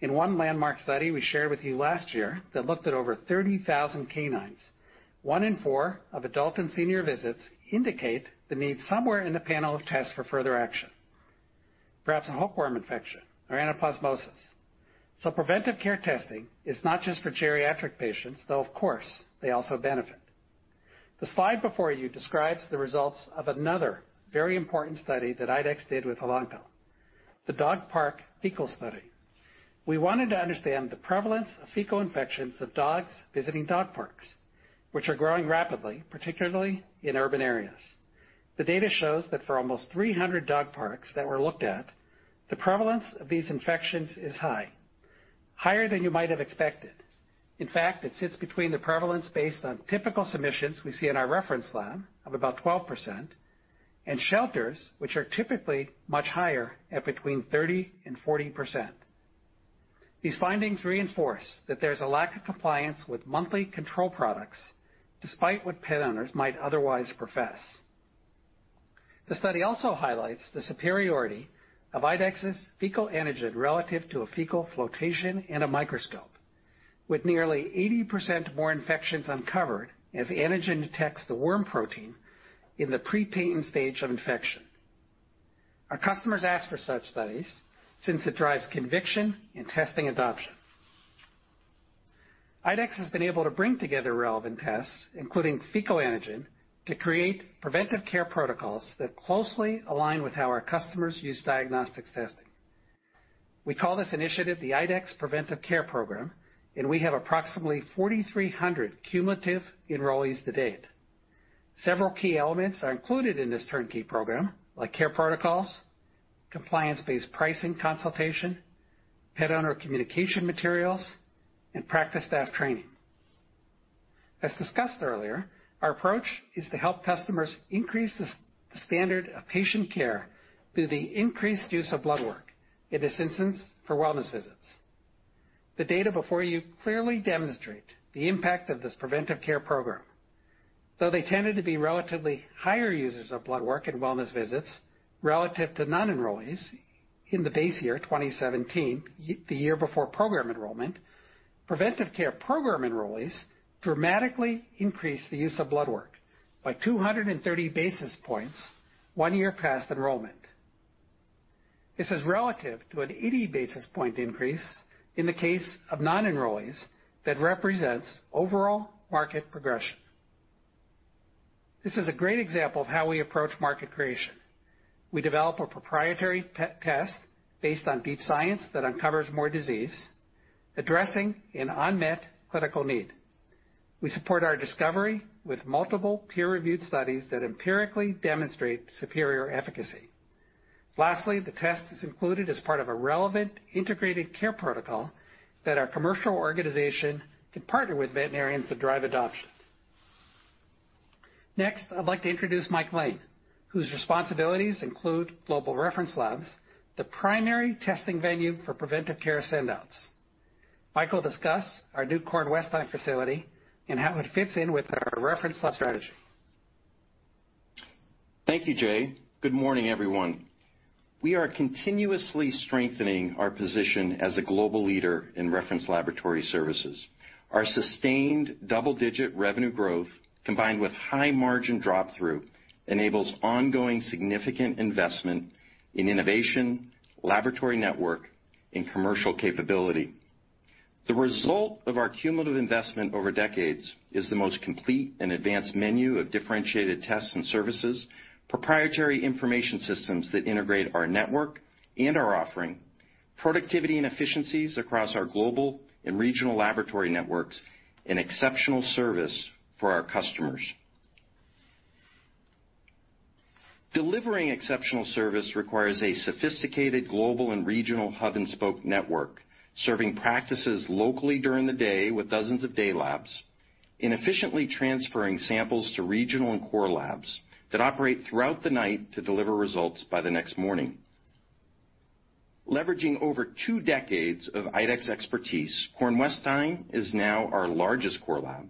A: In one landmark study we shared with you last year that looked at over 30,000 canines, one in four of adult and senior visits indicate the need somewhere in the panel of tests for further action, perhaps a hookworm infection or anaplasmosis. Preventive care testing is not just for geriatric patients, though, of course, they also benefit. The slide before you describes the results of another very important study that IDEXX did with Elanco, the Dog Park Fecal Study. We wanted to understand the prevalence of fecal infections of dogs visiting dog parks, which are growing rapidly, particularly in urban areas. The data shows that for almost 300 dog parks that were looked at, the prevalence of these infections is high, higher than you might have expected. In fact, it sits between the prevalence based on typical submissions we see in our reference lab of about 12%, and shelters, which are typically much higher at between 30% and 40%. These findings reinforce that there's a lack of compliance with monthly control products, despite what pet owners might otherwise profess. The study also highlights the superiority of IDEXX's fecal antigen relative to a fecal flotation and a microscope. With nearly 80% more infections uncovered as antigen detects the worm protein in the pre-patent stage of infection. Our customers ask for such studies since it drives conviction in testing adoption. IDEXX has been able to bring together relevant tests, including fecal antigen, to create preventive care protocols that closely align with how our customers use diagnostics testing. We call this initiative the IDEXX Preventive Care Program and we have approximately 4,300 cumulative enrollees to date. Several key elements are included in this turnkey program, like care protocols, compliance-based pricing consultation, pet owner communication materials, and practice staff training. As discussed earlier, our approach is to help customers increase the standard of patient care through the increased use of blood work, in this instance, for wellness visits. The data before you clearly demonstrate the impact of this preventive care program. Though they tended to be relatively higher users of blood work and wellness visits relative to non-enrollees in the base year, 2017, the year before program enrollment, preventive care program enrollees dramatically increased the use of blood work by 230 basis points one year past enrollment. This is relative to an 80 basis point increase in the case of non-enrollees that represents overall market progression. This is a great example of how we approach market creation. We develop a proprietary test based on deep science that uncovers more disease, addressing an unmet clinical need. We support our discovery with multiple peer-reviewed studies that empirically demonstrate superior efficacy. Lastly, the test is included as part of a relevant integrated care protocol that our commercial organization to partner with veterinarians to drive adoption. Next, I'd like to introduce Mike Lane, whose responsibilities include global reference labs, the primary testing venue for preventive care sendouts. Mike will discuss our new Kornwestheim facility and how it fits in with our reference lab strategy.
D: Thank you, Jay. Good morning, everyone. We are continuously strengthening our position as a global leader in reference laboratory services. Our sustained double-digit revenue growth, combined with high margin drop-through, enables ongoing significant investment in innovation, laboratory network, and commercial capability. The result of our cumulative investment over decades is the most complete and advanced menu of differentiated tests and services, proprietary information systems that integrate our network and our offering, productivity and efficiencies across our global and regional laboratory networks, and exceptional service for our customers. Delivering exceptional service requires a sophisticated global and regional hub-and-spoke network, serving practices locally during the day with dozens of day labs, and efficiently transferring samples to regional and core labs that operate throughout the night to deliver results by the next morning. Leveraging over two decades of IDEXX expertise, Kornwestheim is now our largest core lab,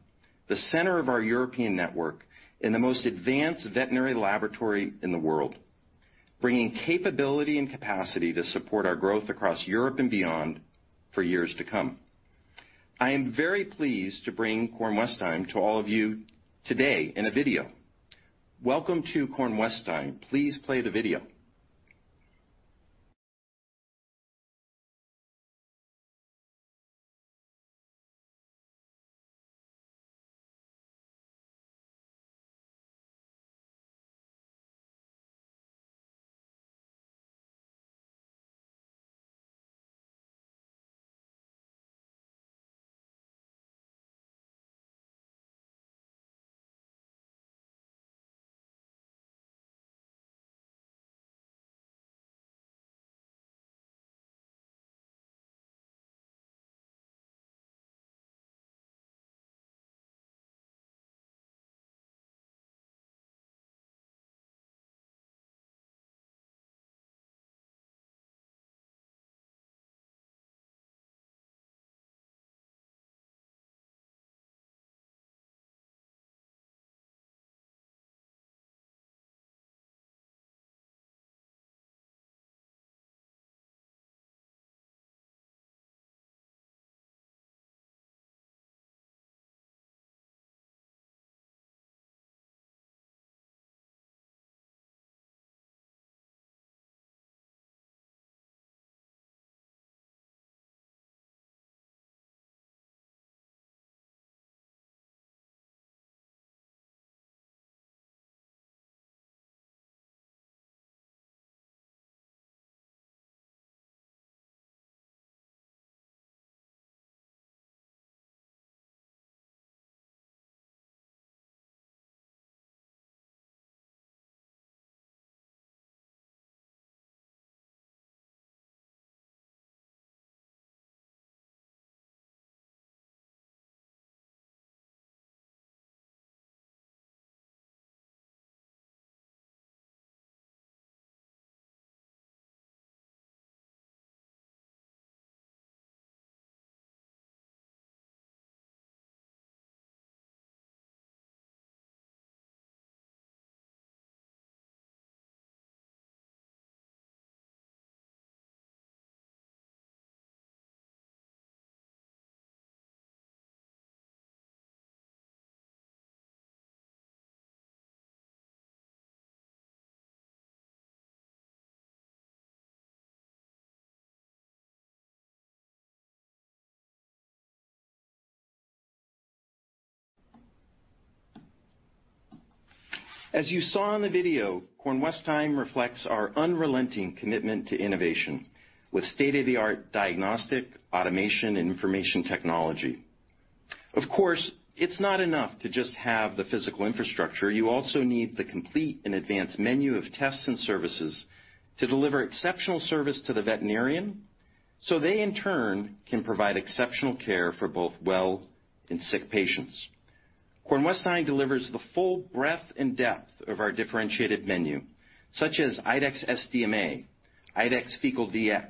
D: the center of our European network, and the most advanced veterinary laboratory in the world, bringing capability and capacity to support our growth across Europe and beyond for years to come. I am very pleased to bring Kornwestheim to all of you today in a video. Welcome to Kornwestheim. Please play the video. As you saw in the video, Kornwestheim reflects our unrelenting commitment to innovation, with state-of-the-art diagnostic, automation, and information technology. Of course, it's not enough to just have the physical infrastructure. You also need the complete and advanced menu of tests and services to deliver exceptional service to the veterinarian, so they, in turn, can provide exceptional care for both well and sick patients. Kornwestheim delivers the full breadth and depth of our differentiated menu, such as IDEXX SDMA, IDEXX Fecal Dx,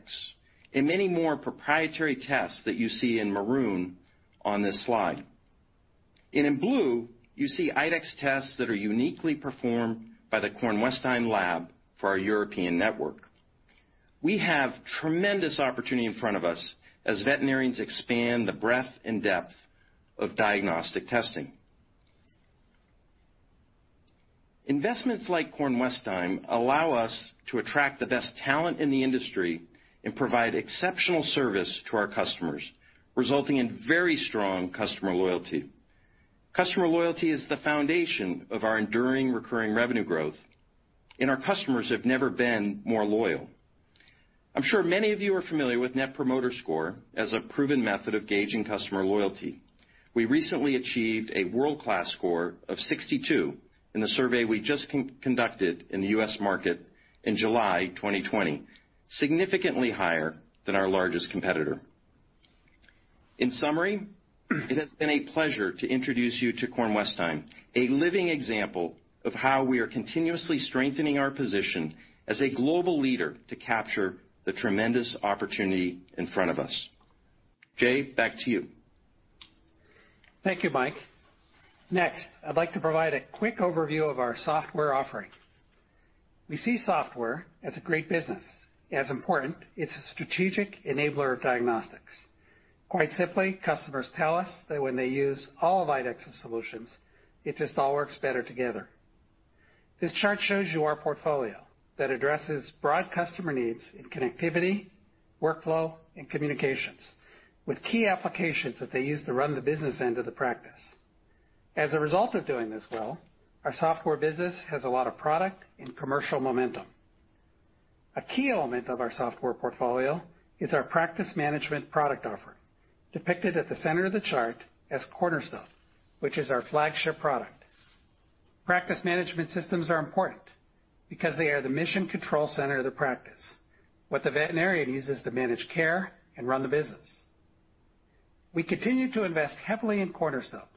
D: and many more proprietary tests that you see in maroon on this slide. In blue, you see IDEXX tests that are uniquely performed by the Kornwestheim lab for our European network. We have tremendous opportunity in front of us as veterinarians expand the breadth and depth of diagnostic testing. Investments like Kornwestheim allow us to attract the best talent in the industry and provide exceptional service to our customers, resulting in very strong customer loyalty. Customer loyalty is the foundation of our enduring recurring revenue growth, and our customers have never been more loyal. I'm sure many of you are familiar with Net Promoter Score as a proven method of gauging customer loyalty. We recently achieved a world-class score of 62 in the survey we just conducted in the U.S. market in July of 2020, significantly higher than our largest competitor. In summary, it has been a pleasure to introduce you to Kornwestheim, a living example of how we are continuously strengthening our position as a global leader to capture the tremendous opportunity in front of us. Jay, back to you.
A: Thank you, Mike. Next, I'd like to provide a quick overview of our software offering. We see software as a great business. As important, it's a strategic enabler of diagnostics. Quite simply, customers tell us that when they use all of IDEXX's solutions, it just all works better together. This chart shows you our portfolio that addresses broad customer needs in connectivity, workflow, and communications, with key applications that they use to run the business end of the practice. As a result of doing this well, our software business has a lot of product and commercial momentum. A key element of our software portfolio is our practice management product offering, depicted at the center of the chart as Cornerstone, which is our flagship product. Practice management systems are important because they are the mission control center of the practice, what the veterinarian uses to manage care and run the business. We continue to invest heavily in Cornerstone,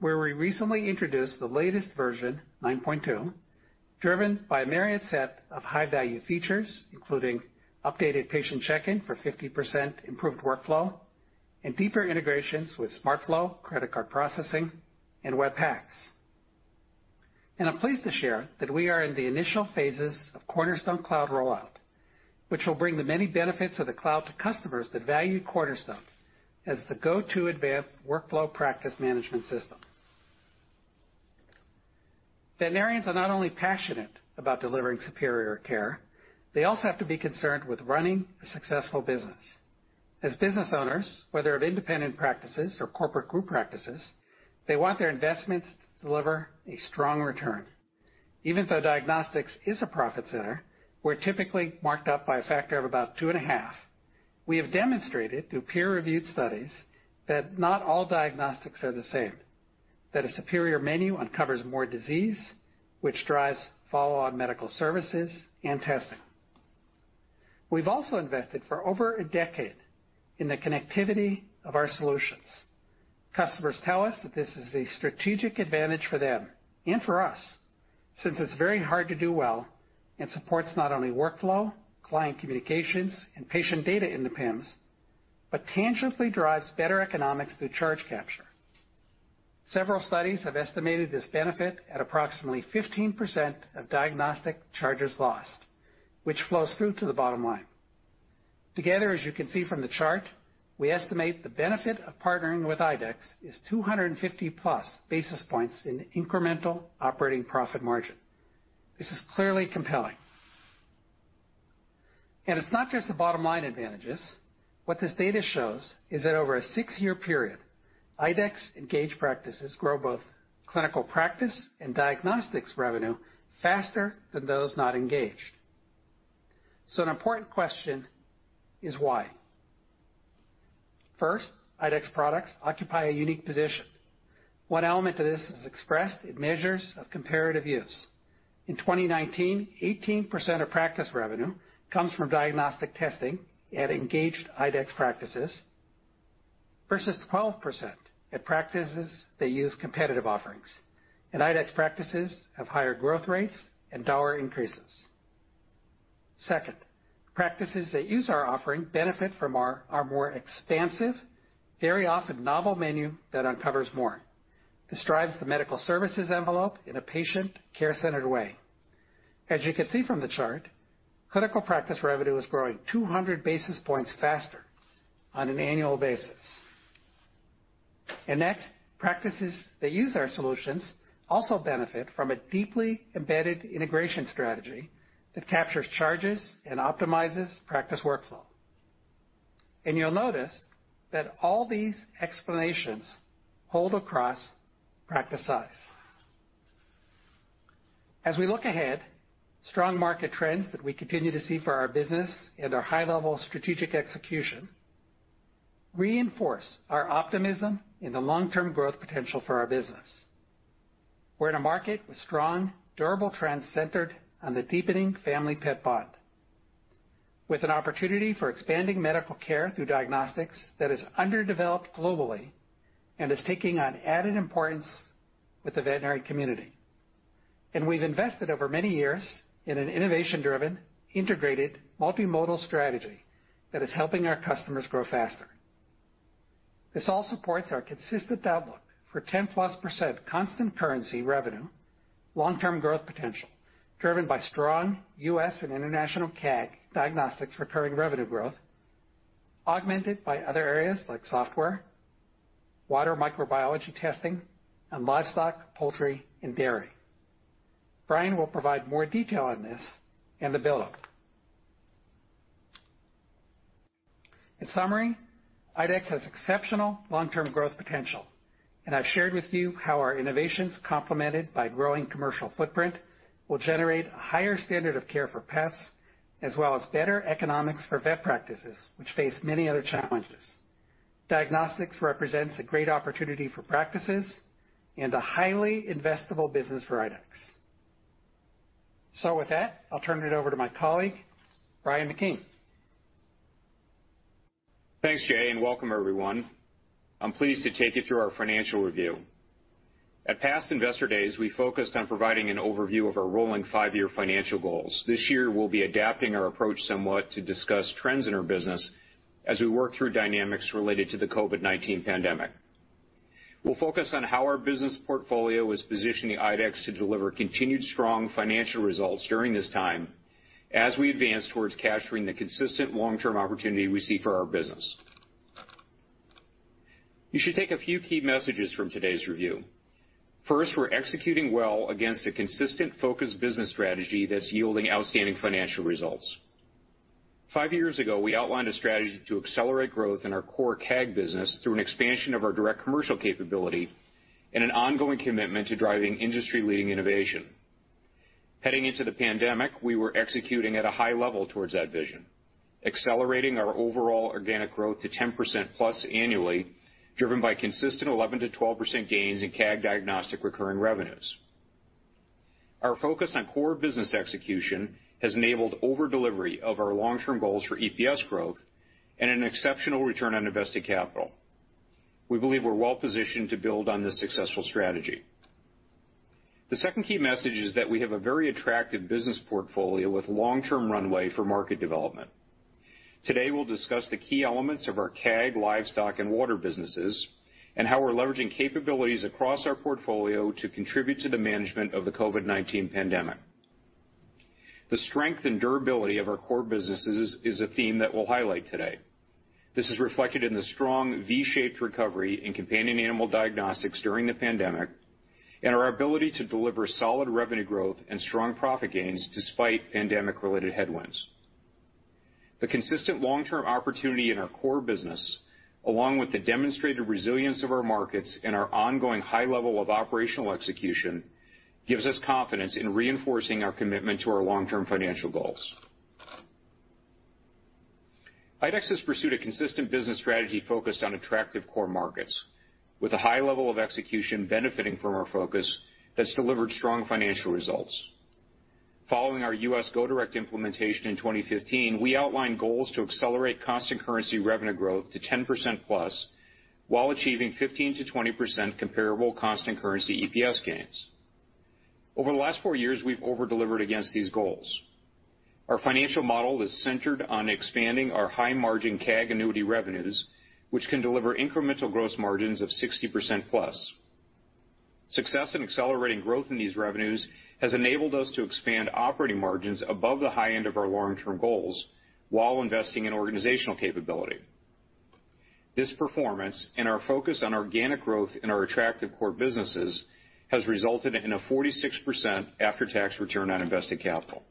A: where we recently introduced the latest version, 9.0, driven by a myriad set of high-value features, including updated patient check-in for 50% improved workflow, and deeper integrations with SmartFlow, credit card processing, and Web PACS. I'm pleased to share that we are in the initial phases of Cornerstone Cloud rollout, which will bring the many benefits of the cloud to customers that value Cornerstone as the go-to advanced workflow practice management system. Veterinarians are not only passionate about delivering superior care, they also have to be concerned with running a successful business. As business owners, whether at independent practices or corporate group practices, they want their investments to deliver a strong return, even though diagnostics is a profit center, we're typically marked up by a factor of about 2.5. We have demonstrated through peer-reviewed studies that not all diagnostics are the same, that a superior menu uncovers more disease, which drives follow-on medical services and testing. We've also invested for over a decade in the connectivity of our solutions. Customers tell us that this is a strategic advantage for them and for us, since it's very hard to do well and supports not only workflow, client communications, and patient data in the PIMS, but tangibly drives better economics through charge capture. Several studies have estimated this benefit at approximately 15% of diagnostic charges lost, which flows through to the bottom line. Together, as you can see from the chart, we estimate the benefit of partnering with IDEXX is 250+ basis points in incremental operating profit margin. This is clearly compelling and it's not just the bottom line advantages. What this data shows is that over a six-year period, IDEXX-engaged practices grow both clinical practice and diagnostics revenue faster than those not engaged, so an important question is why. First, IDEXX products occupy a unique position. One element to this is expressed in measures of comparative use. In 2019, 18% of practice revenue comes from diagnostic testing at engaged IDEXX practices versus 12% at practices that use competitive offerings, and IDEXX practices have higher growth rates and dollar increases. Second, practices that use our offering benefit from our more expansive, very often novel menu that uncovers more. This drives the medical services envelope in a patient care-centered way. As you can see from the chart, clinical practice revenue is growing 200 basis points faster on an annual basis. Next, practices that use our solutions also benefit from a deeply embedded integration strategy that captures charges and optimizes practice workflow. You'll notice that all these explanations hold across practice size. As we look ahead, strong market trends that we continue to see for our business and our high-level strategic execution reinforce our optimism in the long-term growth potential for our business. We're in a market with strong, durable trends centered on the deepening family pet bond, with an opportunity for expanding medical care through diagnostics that is underdeveloped globally, and is taking on added importance with the veterinary community. We've invested over many years in an innovation-driven, integrated, multimodal strategy that is helping our customers grow faster. This all supports our consistent outlook for 10+% constant currency revenue, long-term growth potential, driven by strong U.S. and international CAG diagnostics recurring revenue growth, augmented by other areas like software, water microbiology testing, and livestock, poultry, and dairy. Brian will provide more detail on this in the build-up. In summary, IDEXX has exceptional long-term growth potential, and I've shared with you how our innovations complemented by growing commercial footprint will generate a higher standard of care for pets, as well as better economics for vet practices, which face many other challenges. Diagnostics represents a great opportunity for practices and a highly investable business for IDEXX. With that, I'll turn it over to my colleague, Brian McKeon.
E: Thanks, Jay, and welcome, everyone. I'm pleased to take you through our financial review. At past Investor Days, we focused on providing an overview of our rolling five-year financial goals. This year, we'll be adapting our approach somewhat to discuss trends in our business as we work through dynamics related to the COVID-19 pandemic. We'll focus on how our business portfolio is positioning IDEXX to deliver continued strong financial results during this time as we advance towards capturing the consistent long-term opportunity we see for our business. You should take a few key messages from today's review. First, we're executing well against a consistent focus business strategy that's yielding outstanding financial results. Five years ago, we outlined a strategy to accelerate growth in our core CAG business through an expansion of our direct commercial capability and an ongoing commitment to driving industry-leading innovation. Heading into the pandemic, we were executing at a high level towards that vision, accelerating our overall organic growth to 10%+ annually, driven by consistent 11% to 12% gains in CAG diagnostic recurring revenues. Our focus on core business execution has enabled over delivery of our long-term goals for EPS growth and an exceptional return on invested capital. We believe we're well-positioned to build on this successful strategy. The second key message is that we have a very attractive business portfolio with long-term runway for market development. Today, we'll discuss the key elements of our CAG livestock and water businesses and how we're leveraging capabilities across our portfolio to contribute to the management of the COVID-19 pandemic. The strength and durability of our core businesses is a theme that we'll highlight today. This is reflected in the strong V-shaped recovery in companion animal diagnostics during the pandemic and our ability to deliver solid revenue growth and strong profit gains despite pandemic-related headwinds. The consistent long-term opportunity in our core business, along with the demonstrated resilience of our markets and our ongoing high level of operational execution, gives us confidence in reinforcing our commitment to our long-term financial goals. IDEXX has pursued a consistent business strategy focused on attractive core markets with a high level of execution benefitting from our focus that's delivered strong financial results. Following our U.S. Go Direct implementation in 2015, we outlined goals to accelerate constant currency revenue growth to 10%+ while achieving 15%-20% comparable constant currency EPS gains. Over the last four years, we've over-delivered against these goals. Our financial model is centered on expanding our high-margin CAG annuity revenues, which can deliver incremental gross margins of 60% plus. Success in accelerating growth in these revenues has enabled us to expand operating margins above the high end of our long-term goals while investing in organizational capability. This performance and our focus on organic growth in our attractive core businesses has resulted in a 46% after-tax return on invested capital.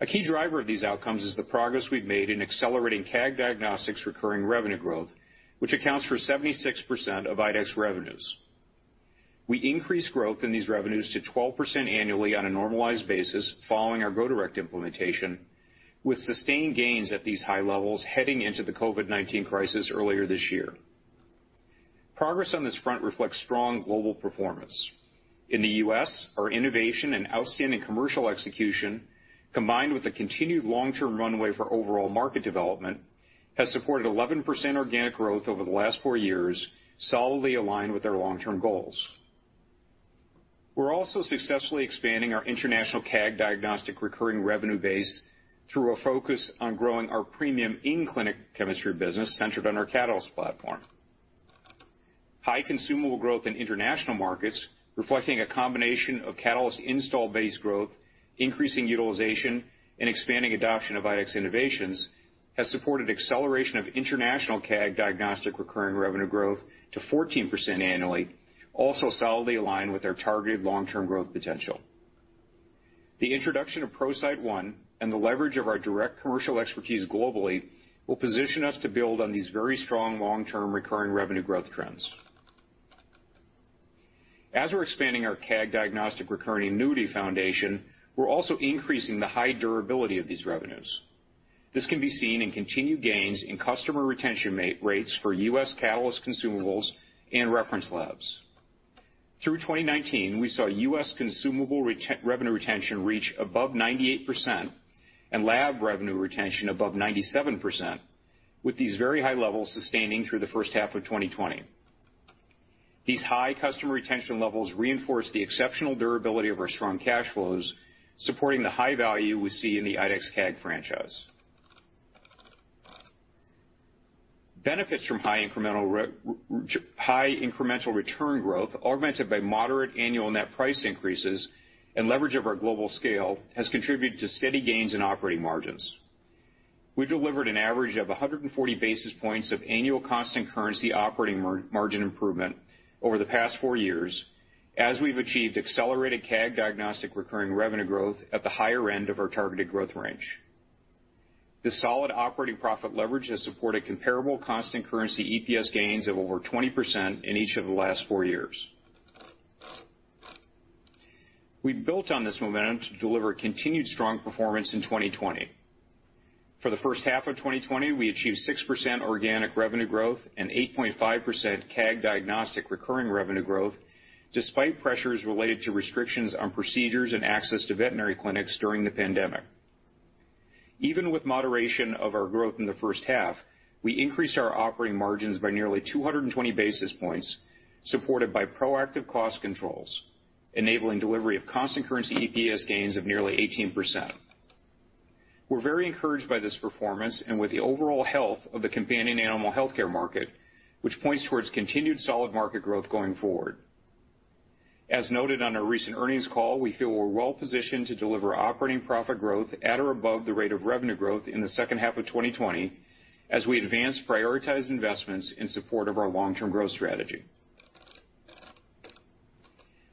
E: A key driver of these outcomes is the progress we've made in accelerating CAG Diagnostics recurring revenue growth, which accounts for 76% of IDEXX revenues. We increased growth in these revenues to 12% annually on a normalized basis following our Go Direct implementation, with sustained gains at these high levels heading into the COVID-19 crisis earlier this year. Progress on this front reflects strong global performance. In the U.S., our innovation and outstanding commercial execution, combined with the continued long-term runway for overall market development has supported 11% organic growth over the last four years solidly aligned with our long-term goals. We're also successfully expanding our international CAG diagnostic recurring revenue base through a focus on growing our premium in-clinic chemistry business centered on our Catalyst platform. High consumable growth in international markets, reflecting a combination of Catalyst install base growth, increasing utilization, and expanding adoption of IDEXX innovations, has supported acceleration of international CAG diagnostic recurring revenue growth to 14% annually, also solidly aligned with our targeted long-term growth potential. The introduction of ProCyte One and the leverage of our direct commercial expertise globally will position us to build on these very strong long-term recurring revenue growth trends. As we're expanding our CAG diagnostic recurring annuity foundation, we're also increasing the high durability of these revenues. This can be seen in continued gains in customer retention rates for U.S. Catalyst consumables and reference labs. Through 2019, we saw U.S. consumable revenue retention reach above 98% and lab revenue retention above 97%, with these very high levels sustaining through the first half of 2020. These high customer retention levels reinforce the exceptional durability of our strong cash flows, supporting the high value we see in the IDEXX CAG franchise. Benefits from high incremental return growth, augmented by moderate annual net price increases and leverage of our global scale, has contributed to steady gains in operating margins. We delivered an average of 140 basis points of annual constant currency operating margin improvement over the past four years as we've achieved accelerated CAG diagnostic recurring revenue growth at the higher end of our targeted growth range. This solid operating profit leverage has supported comparable constant currency EPS gains of over 20% in each of the last four years. We built on this momentum to deliver continued strong performance in 2020. For the first half of 2020, we achieved 6% organic revenue growth and 8.5% CAG diagnostic recurring revenue growth, despite pressures related to restrictions on procedures and access to veterinary clinics during the pandemic. Even with moderation of our growth in the first half, we increased our operating margins by nearly 220 basis points, supported by proactive cost controls, enabling delivery of constant currency EPS gains of nearly 18%. We're very encouraged by this performance and with the overall health of the companion animal healthcare market, which points towards continued solid market growth going forward. As noted on our recent earnings call, we feel we're well-positioned to deliver operating profit growth at or above the rate of revenue growth in the second half of 2020 as we advance prioritized investments in support of our long-term growth strategy.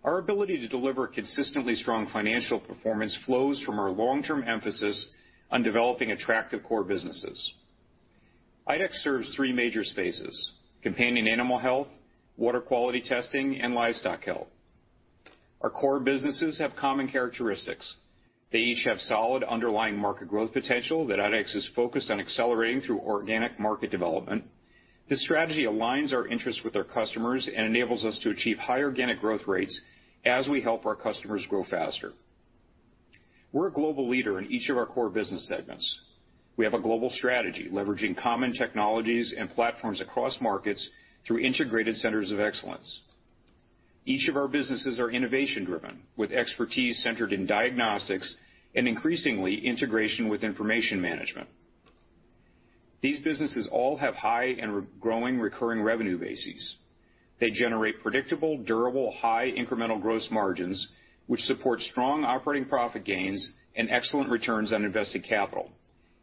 E: Our ability to deliver consistently strong financial performance flows from our long-term emphasis on developing attractive core businesses. IDEXX serves three major spaces: companion animal health, water quality testing, and livestock health. Our core businesses have common characteristics. They each have solid underlying market growth potential that IDEXX is focused on accelerating through organic market development. This strategy aligns our interests with our customers and enables us to achieve high organic growth rates as we help our customers grow faster. We're a global leader in each of our core business segments. We have a global strategy leveraging common technologies and platforms across markets through integrated centers of excellence. Each of our businesses are innovation-driven, with expertise centered in diagnostics and increasingly integration with information management. These businesses all have high and growing recurring revenue bases. They generate predictable, durable, high incremental gross margins, which support strong operating profit gains and excellent returns on invested capital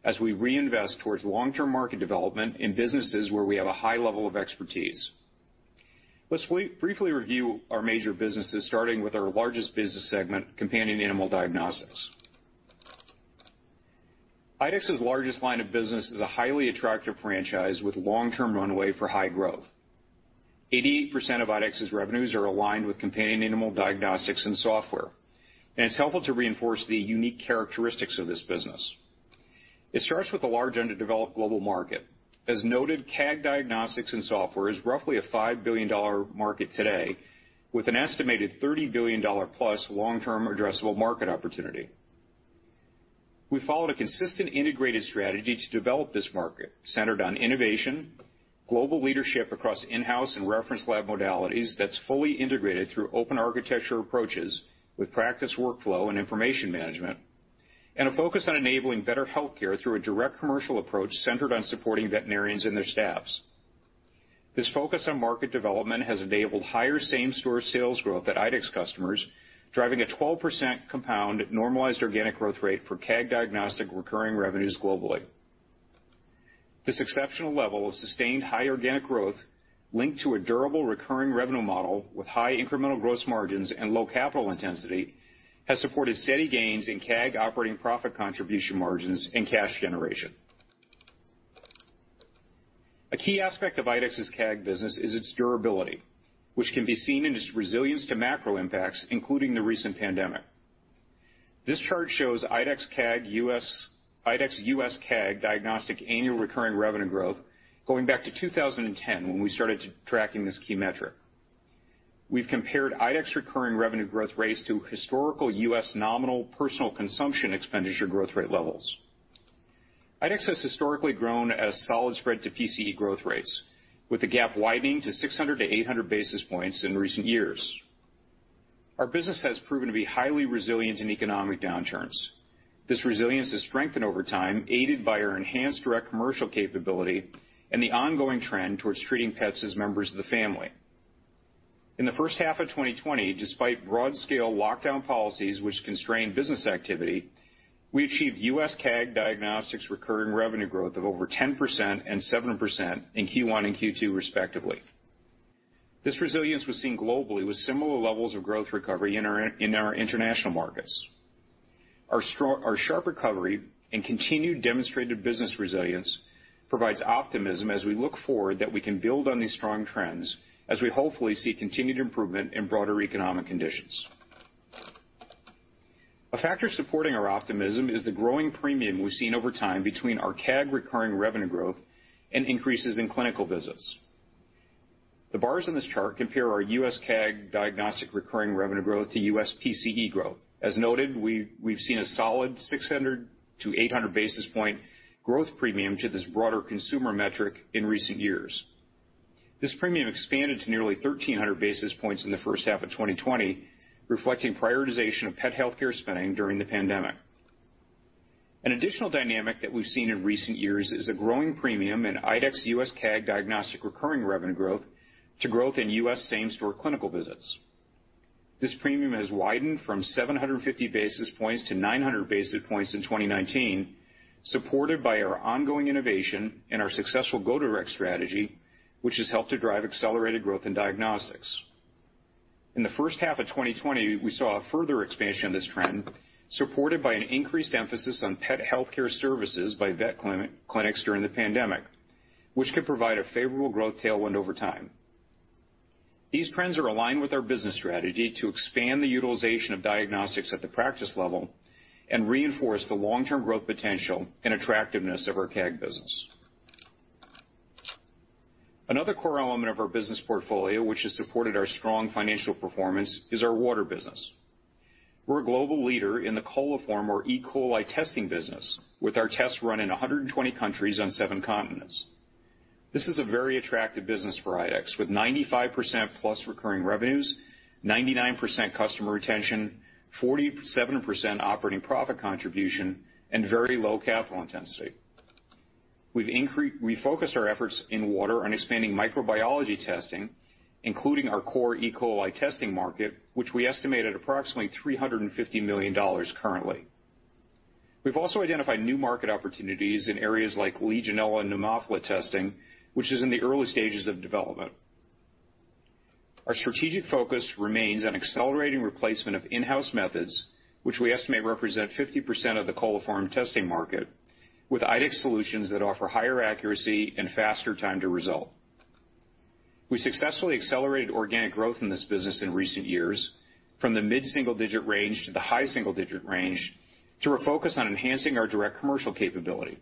E: as we reinvest towards long-term market development in businesses where we have a high level of expertise. Let's briefly review our major businesses, starting with our largest business segment, companion animal diagnostics. IDEXX's largest line of business is a highly attractive franchise with long-term runway for high growth. 88% of IDEXX's revenues are aligned with companion animal diagnostics and software, and it's helpful to reinforce the unique characteristics of this business. It starts with a large underdeveloped global market. As noted, CAG diagnostics and software is roughly a $5 billion market today, with an estimated $30 billion-plus long-term addressable market opportunity. We followed a consistent integrated strategy to develop this market centered on innovation, global leadership across in-house and reference lab modalities that's fully integrated through open architecture approaches with practice workflow and information management, and a focus on enabling better healthcare through a direct commercial approach centered on supporting veterinarians and their staffs. This focus on market development has enabled higher same-store sales growth at IDEXX customers, driving a 12% compound normalized organic growth rate for CAG diagnostic recurring revenues globally. This exceptional level of sustained high organic growth linked to a durable recurring revenue model with high incremental gross margins and low capital intensity has supported steady gains in CAG operating profit contribution margins and cash generation. A key aspect of IDEXX's CAG business is its durability, which can be seen in its resilience to macro impacts, including the recent pandemic. This chart shows IDEXX U.S. CAG diagnostic annual recurring revenue growth going back to 2010, when we started tracking this key metric. We've compared IDEXX recurring revenue growth rates to historical U.S. nominal personal consumption expenditure growth rate levels. IDEXX has historically grown as solid spread to PCE growth rates, with the gap widening to 600 basis points to 800 basis points in recent years. Our business has proven to be highly resilient in economic downturns. This resilience has strengthened over time, aided by our enhanced direct commercial capability and the ongoing trend towards treating pets as members of the family. In the first half of 2020, despite broad-scale lockdown policies which constrained business activity, we achieved U.S. CAG diagnostics recurring revenue growth of over 10% and 7% in Q1 and Q2 respectively. This resilience was seen globally with similar levels of growth recovery in our international markets. Our sharp recovery and continued demonstrated business resilience provides optimism as we look forward that we can build on these strong trends as we hopefully see continued improvement in broader economic conditions. A factor supporting our optimism is the growing premium we've seen over time between our CAG recurring revenue growth and increases in clinical visits. The bars on this chart compare our U.S. CAG diagnostic recurring revenue growth to U.S. PCE growth. As noted, we've seen a solid 600-basis-point to 800-basis-point growth premium to this broader consumer metric in recent years. This premium expanded to nearly 1,300 basis points in the first half of 2020, reflecting prioritization of pet healthcare spending during the pandemic. An additional dynamic that we've seen in recent years is a growing premium in IDEXX U.S. CAG diagnostic recurring revenue growth to growth in U.S. same-store clinical visits. This premium has widened from 750 basis points to 900 basis points in 2019, supported by our ongoing innovation and our successful Go Direct strategy, which has helped to drive accelerated growth in diagnostics. In the first half of 2020, we saw a further expansion of this trend, supported by an increased emphasis on pet healthcare services by vet clinics during the pandemic, which could provide a favorable growth tailwind over time. These trends are aligned with our business strategy to expand the utilization of diagnostics at the practice level and reinforce the long-term growth potential and attractiveness of our CAG business. Another core element of our business portfolio, which has supported our strong financial performance, is our water business. We're a global leader in the coliform or E. coli testing business, with our tests run in 120 countries on seven continents. This is a very attractive business for IDEXX, with 95%-plus recurring revenues, 99% customer retention, 47% operating profit contribution, and very low capital intensity. We focused our efforts in water on expanding microbiology testing, including our core E. coli testing market, which we estimate at approximately $350 million currently. We've also identified new market opportunities in areas like Legionella pneumophila testing, which is in the early stages of development. Our strategic focus remains on accelerating replacement of in-house methods, which we estimate represent 50% of the coliform testing market, with IDEXX solutions that offer higher accuracy and faster time to result. We successfully accelerated organic growth in this business in recent years, from the mid-single-digit range to the high single-digit range, through a focus on enhancing our direct commercial capability.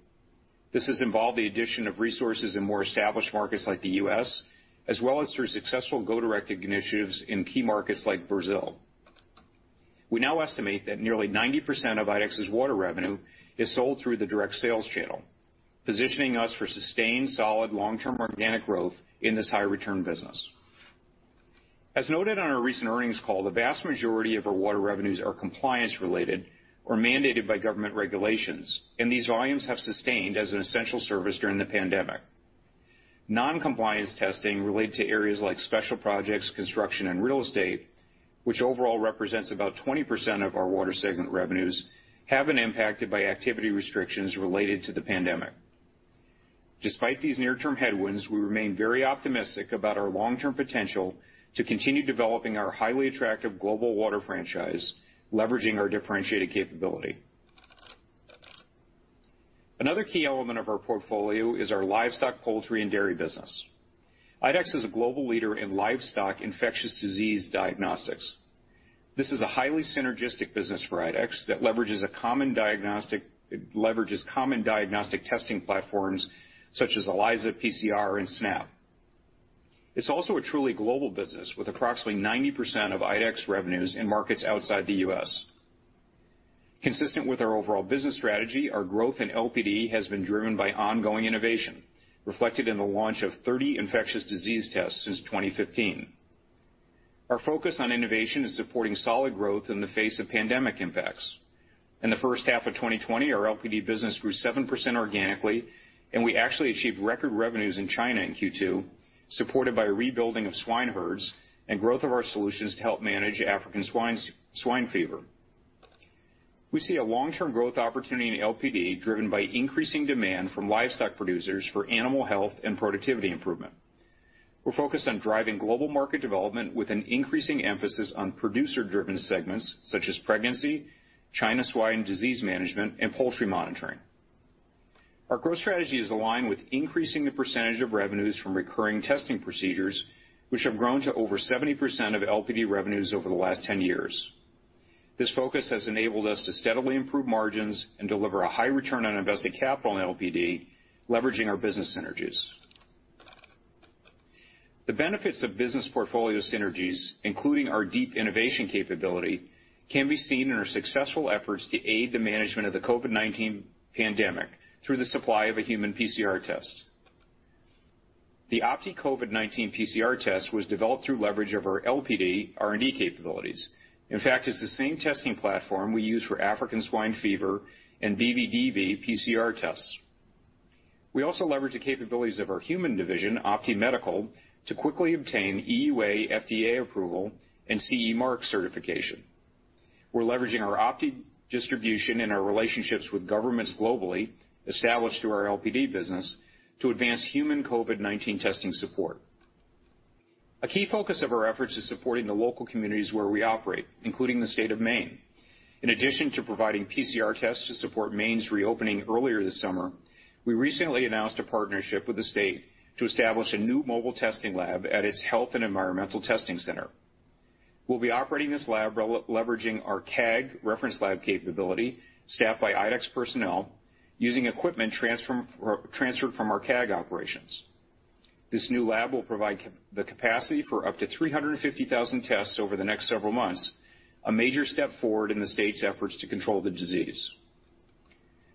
E: This has involved the addition of resources in more established markets like the U.S., as well as through successful go-to-market initiatives in key markets like Brazil. We now estimate that nearly 90% of IDEXX's water revenue is sold through the direct sales channel, positioning us for sustained, solid, long-term organic growth in this high-return business. As noted on our recent earnings call, the vast majority of our water revenues are compliance related or mandated by government regulations, and these volumes have sustained as an essential service during the pandemic. Non-compliance testing related to areas like special projects, construction, and real estate, which overall represents about 20% of our water segment revenues, have been impacted by activity restrictions related to the pandemic. Despite these near-term headwinds, we remain very optimistic about our long-term potential to continue developing our highly attractive global water franchise, leveraging our differentiated capability. Another key element of our portfolio is our livestock, poultry, and dairy business. IDEXX is a global leader in livestock infectious disease diagnostics. This is a highly synergistic business for IDEXX that leverages common diagnostic testing platforms such as ELISA, PCR, and SNAP. It's also a truly global business, with approximately 90% of IDEXX revenues in markets outside the U.S. Consistent with our overall business strategy, our growth in LPD has been driven by ongoing innovation, reflected in the launch of 30 infectious disease tests since 2015. Our focus on innovation is supporting solid growth in the face of pandemic impacts. In the first half of 2020, our LPD business grew 7% organically, and we actually achieved record revenues in China in Q2, supported by rebuilding of swine herds and growth of our solutions to help manage African swine fever. We see a long-term growth opportunity in LPD driven by increasing demand from livestock producers for animal health and productivity improvement. We're focused on driving global market development with an increasing emphasis on producer-driven segments such as pregnancy, China swine disease management, and poultry monitoring. Our growth strategy is aligned with increasing the percentage of revenues from recurring testing procedures, which have grown to over 70% of LPD revenues over the last 10 years. This focus has enabled us to steadily improve margins and deliver a high return on invested capital in LPD, leveraging our business synergies. The benefits of business portfolio synergies, including our deep innovation capability, can be seen in our successful efforts to aid the management of the COVID-19 pandemic through the supply of a human PCR test. The OPTI COVID-19 PCR test was developed through leverage of our LPD R&D capabilities. In fact, it's the same testing platform we use for African swine fever and BVDV PCR tests. We also leverage the capabilities of our human division, OPTI Medical, to quickly obtain EUA FDA approval and CE mark certification. We're leveraging our OPTI distribution and our relationships with governments globally, established through our LPD business, to advance human COVID-19 testing support. A key focus of our efforts is supporting the local communities where we operate, including the State of Maine. In addition to providing PCR tests to support Maine's reopening earlier this summer, we recently announced a partnership with the state to establish a new mobile testing lab at its health and environmental testing center. We'll be operating this lab leveraging our CAG reference lab capability, staffed by IDEXX personnel, using equipment transferred from our CAG operations. This new lab will provide the capacity for up to 350,000 tests over the next several months, a major step forward in the state's efforts to control the disease.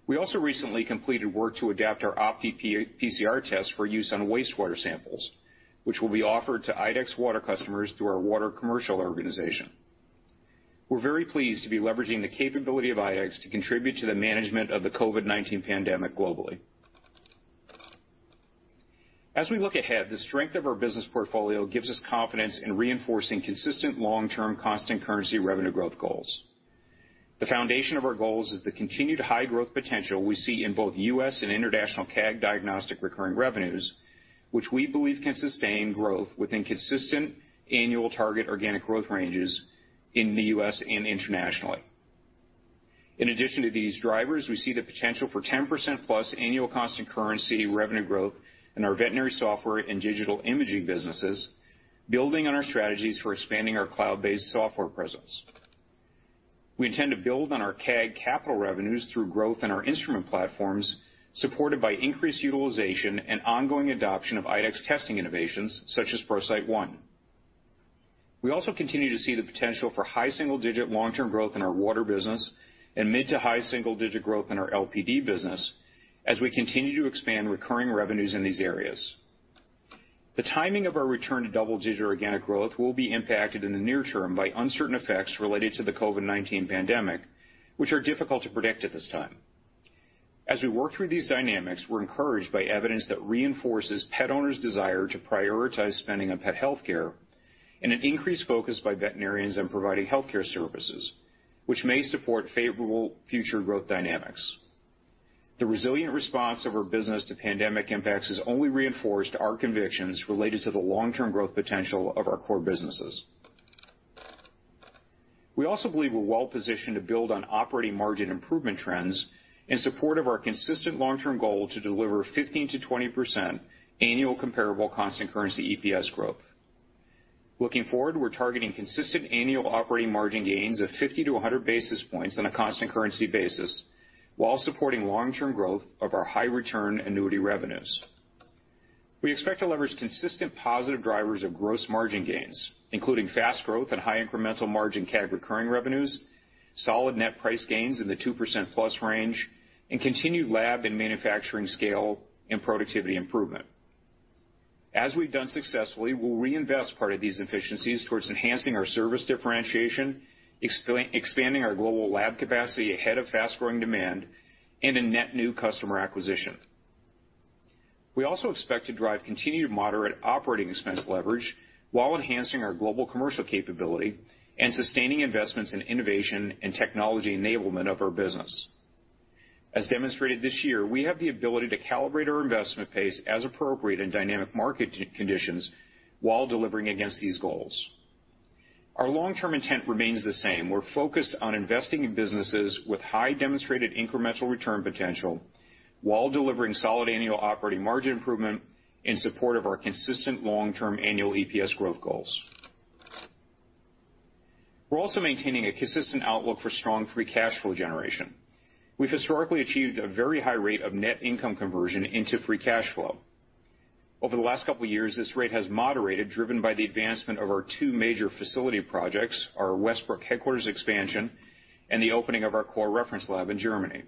E: We also recently completed work to adapt our OPTI PCR test for use on wastewater samples, which will be offered to IDEXX water customers through our water commercial organization. We're very pleased to be leveraging the capability of IDEXX to contribute to the management of the COVID-19 pandemic globally. As we look ahead, the strength of our business portfolio gives us confidence in reinforcing consistent long-term constant currency revenue growth goals. The foundation of our goals is the continued high growth potential we see in both U.S. and international CAG diagnostic recurring revenues, which we believe can sustain growth within consistent annual target organic growth ranges in the U.S. and internationally. In addition to these drivers, we see the potential for 10%+ annual constant currency revenue growth in our veterinary software and digital imaging businesses, building on our strategies for expanding our cloud-based software presence. We intend to build on our CAG capital revenues through growth in our instrument platforms, supported by increased utilization and ongoing adoption of IDEXX testing innovations such as ProCyte One. We also continue to see the potential for high single-digit long-term growth in our water business and mid to high single-digit growth in our LPD business as we continue to expand recurring revenues in these areas. The timing of our return to double-digit organic growth will be impacted in the near term by uncertain effects related to the COVID-19 pandemic, which are difficult to predict at this time. As we work through these dynamics, we're encouraged by evidence that reinforces pet owners' desire to prioritize spending on pet healthcare and an increased focus by veterinarians on providing healthcare services, which may support favorable future growth dynamics. The resilient response of our business to pandemic impacts has only reinforced our convictions related to the long-term growth potential of our core businesses. We also believe we're well-positioned to build on operating margin improvement trends in support of our consistent long-term goal to deliver 15% to 20% annual comparable constant currency EPS growth. Looking forward, we're targeting consistent annual operating margin gains of 50 basis points to 100 basis points on a constant currency basis while supporting long-term growth of our high-return annuity revenues. We expect to leverage consistent positive drivers of gross margin gains, including fast growth and high incremental margin CAG recurring revenues, solid net price gains in the 2%+ range, and continued lab and manufacturing scale and productivity improvement. As we've done successfully, we'll reinvest part of these efficiencies towards enhancing our service differentiation, expanding our global lab capacity ahead of fast-growing demand, and a net new customer acquisition. We also expect to drive continued moderate operating expense leverage while enhancing our global commercial capability and sustaining investments in innovation and technology enablement of our business. As demonstrated this year, we have the ability to calibrate our investment pace as appropriate in dynamic market conditions while delivering against these goals. Our long-term intent remains the same. We're focused on investing in businesses with high demonstrated incremental return potential while delivering solid annual operating margin improvement in support of our consistent long-term annual EPS growth goals. We're also maintaining a consistent outlook for strong free cash flow generation. We've historically achieved a very high rate of net income conversion into free cash flow. Over the last couple of years, this rate has moderated, driven by the advancement of our two major facility projects, our Westbrook headquarters expansion, and the opening of our core reference lab in Germany.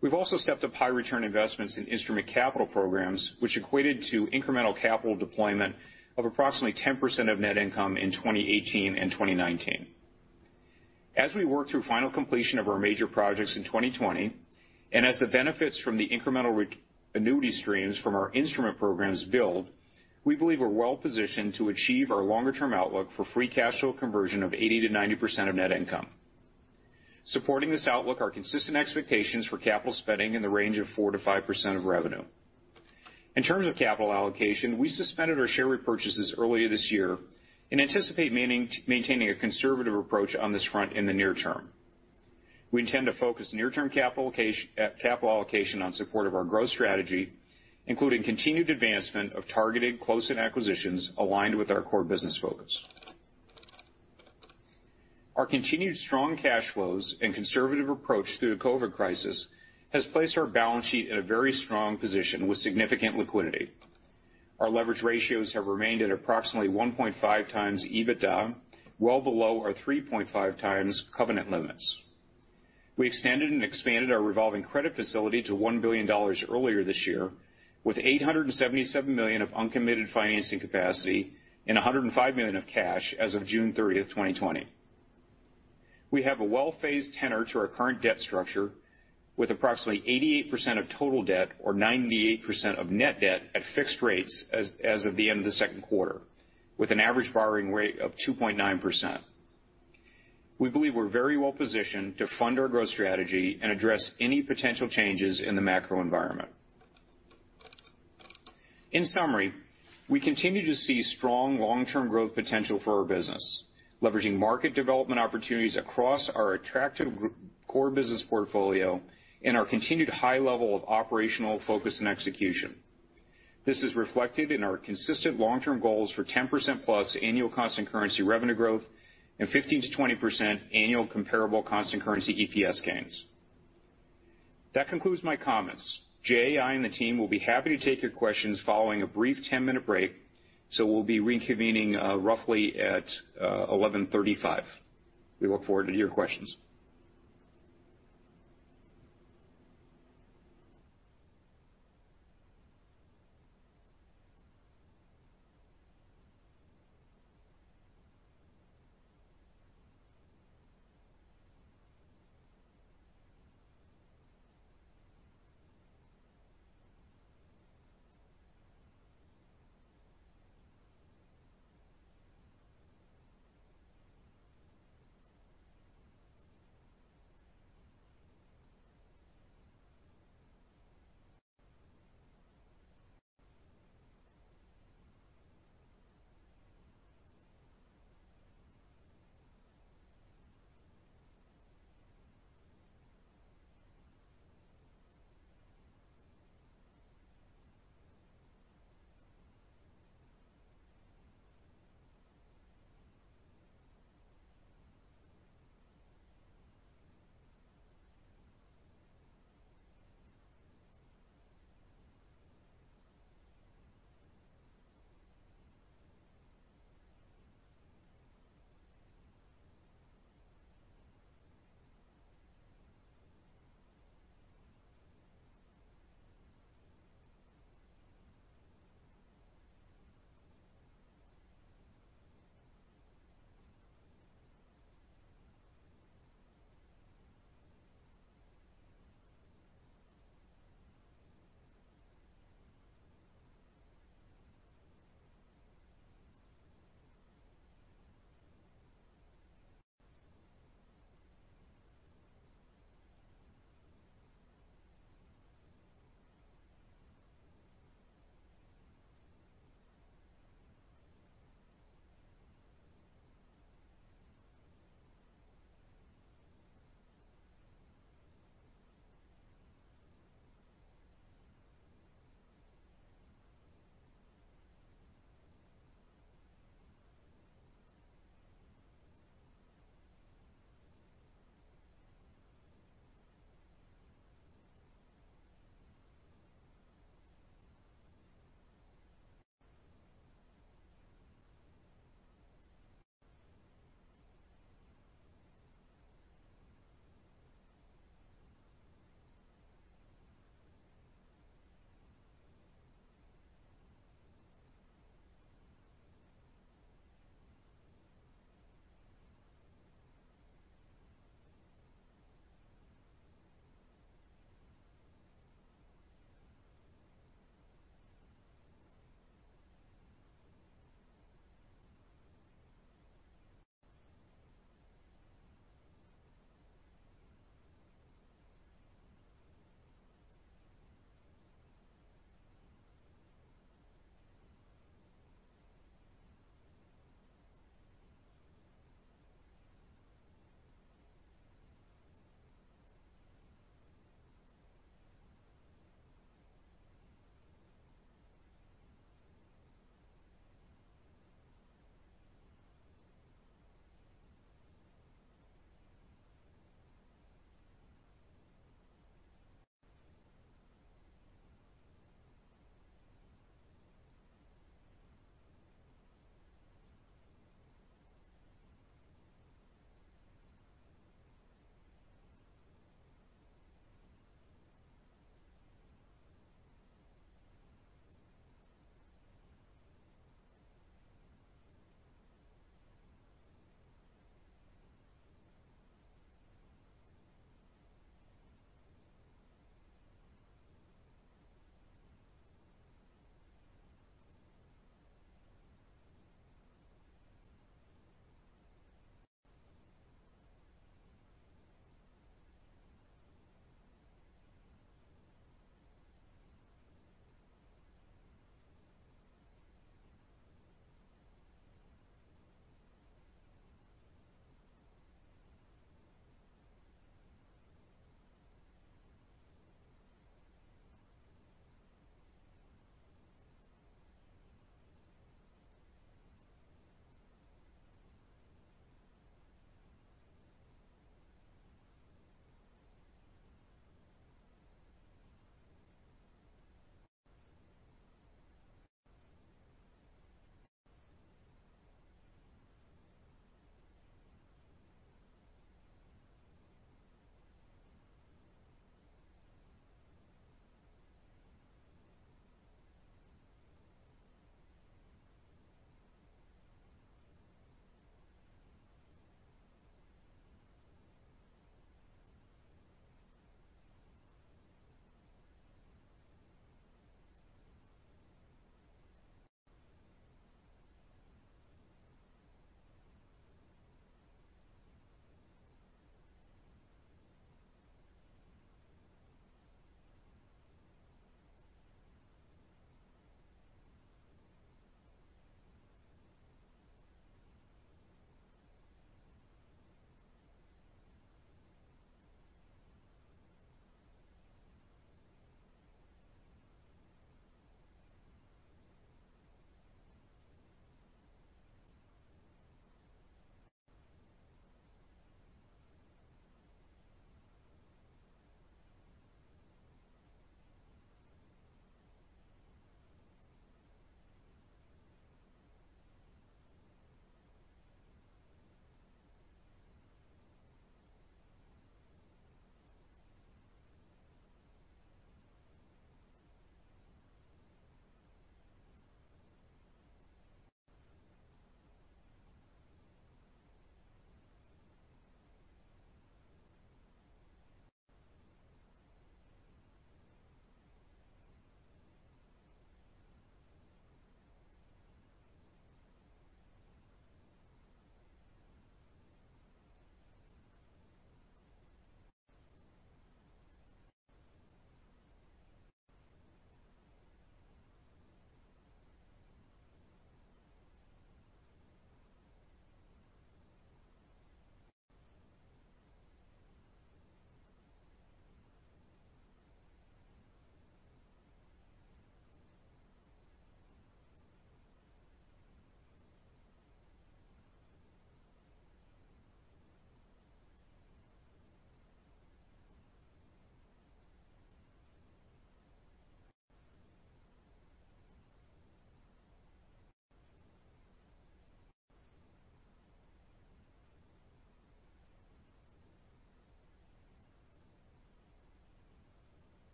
E: We've also stepped up high-return investments in instrument capital programs, which equated to incremental capital deployment of approximately 10% of net income in 2018 and 2019. As we work through final completion of our major projects in 2020, and as the benefits from the incremental annuity streams from our instrument programs build, we believe we're well-positioned to achieve our longer-term outlook for free cash flow conversion of 80% to 90% of net income. Supporting this outlook are consistent expectations for capital spending in the range of 4% to 5% of revenue. In terms of capital allocation, we suspended our share repurchases earlier this year and anticipate maintaining a conservative approach on this front in the near term. We intend to focus near-term capital allocation on support of our growth strategy, including continued advancement of targeted close-in acquisitions aligned with our core business focus. Our continued strong cash flows and conservative approach through the COVID crisis has placed our balance sheet in a very strong position with significant liquidity. Our leverage ratios have remained at approximately 1.5x EBITDA, well below our 3.5x covenant limits. We extended and expanded our revolving credit facility to $1 billion earlier this year, with $877 million of uncommitted financing capacity and $105 million of cash as of June 30 of 2020. We have a well-phased tenor to our current debt structure with approximately 88% of total debt or 98% of net debt at fixed rates as of the end of the second quarter, with an average borrowing rate of 2.9%. We believe we're very well-positioned to fund our growth strategy and address any potential changes in the macro environment. In summary, we continue to see strong long-term growth potential for our business, leveraging market development opportunities across our attractive core business portfolio and our continued high level of operational focus and execution. This is reflected in our consistent long-term goals for 10%+ annual constant currency revenue growth and 15% to 20% annual comparable constant currency EPS gains. That concludes my comments. Jay, I, and the team will be happy to take your questions following a brief 10-minute break, so we'll be reconvening roughly at 11:35. We look forward to your questions.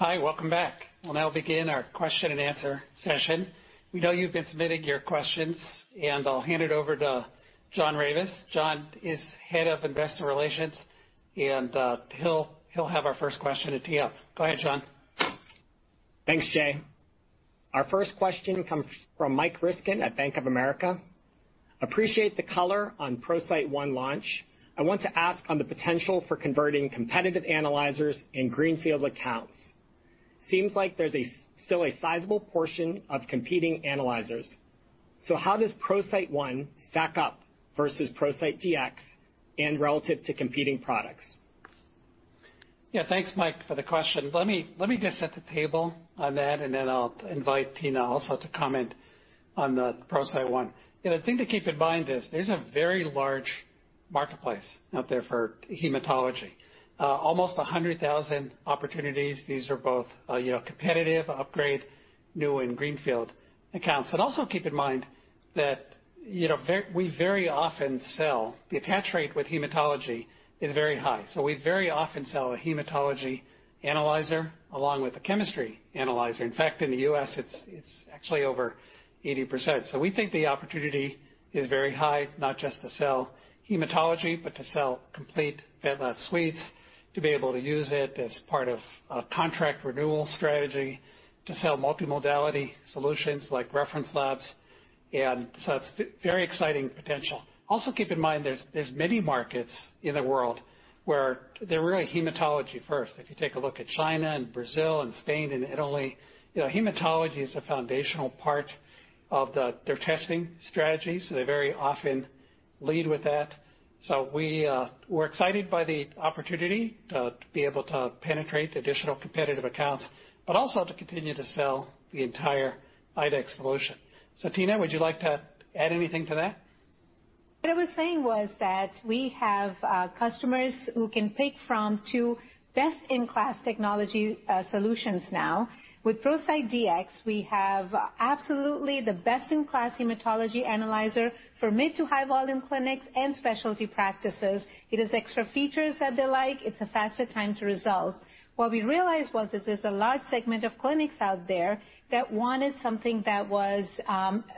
A: Hi, welcome back. We'll now begin our question and answer session. We know you've been submitting your questions, and I'll hand it over to John Ravis. John is Head of Investor Relations, and he'll have our first question to Tina. Go ahead, John.
F: Thanks, Jay. Our first question comes from Michael Ryskin at Bank of America. Appreciate the color on ProCyte One launch. I want to ask on the potential for converting competitive analyzers in greenfield accounts. It seems like there's still a sizable portion of competing analyzers. How does ProCyte One stack up versus ProCyte Dx and relative to competing products?
A: Yeah. Thanks, Mike, for the question. Let me just set the table on that, then I'll invite Tina also to comment on the ProCyte One. You know, the thing to keep in mind is there's a very large marketplace out there for hematology. Almost 100,000 opportunities. These are both competitive upgrade, new and greenfield accounts, but also keep in mind that we very often sell. The attach rate with hematology is very high. We very often sell a hematology analyzer along with a chemistry analyzer. In fact, in the U.S., it's actually over 80%. We think the opportunity is very high, not just to sell hematology, but to sell complete lab suites, to be able to use it as part of a contract renewal strategy, to sell multi-modality solutions like reference labs. It's very exciting potential. Also, keep in mind, there's many markets in the world where they're really hematology first. If you take a look at China and Brazil and Spain and Italy, hematology is a foundational part of their testing strategies. They very often lead with that. We're excited by the opportunity to be able to penetrate additional competitive accounts, but also to continue to sell the entire IDEXX solution. Tina, would you like to add anything to that?
C: What I was saying was that we have customers who can pick from two best-in-class technology solutions now. With ProCyte Dx, we have absolutely the best-in-class hematology analyzer for mid-to-high volume clinics and specialty practices. It has extra features that they like. It's a faster time to results. What we realized was that there's a large segment of clinics out there that wanted something that was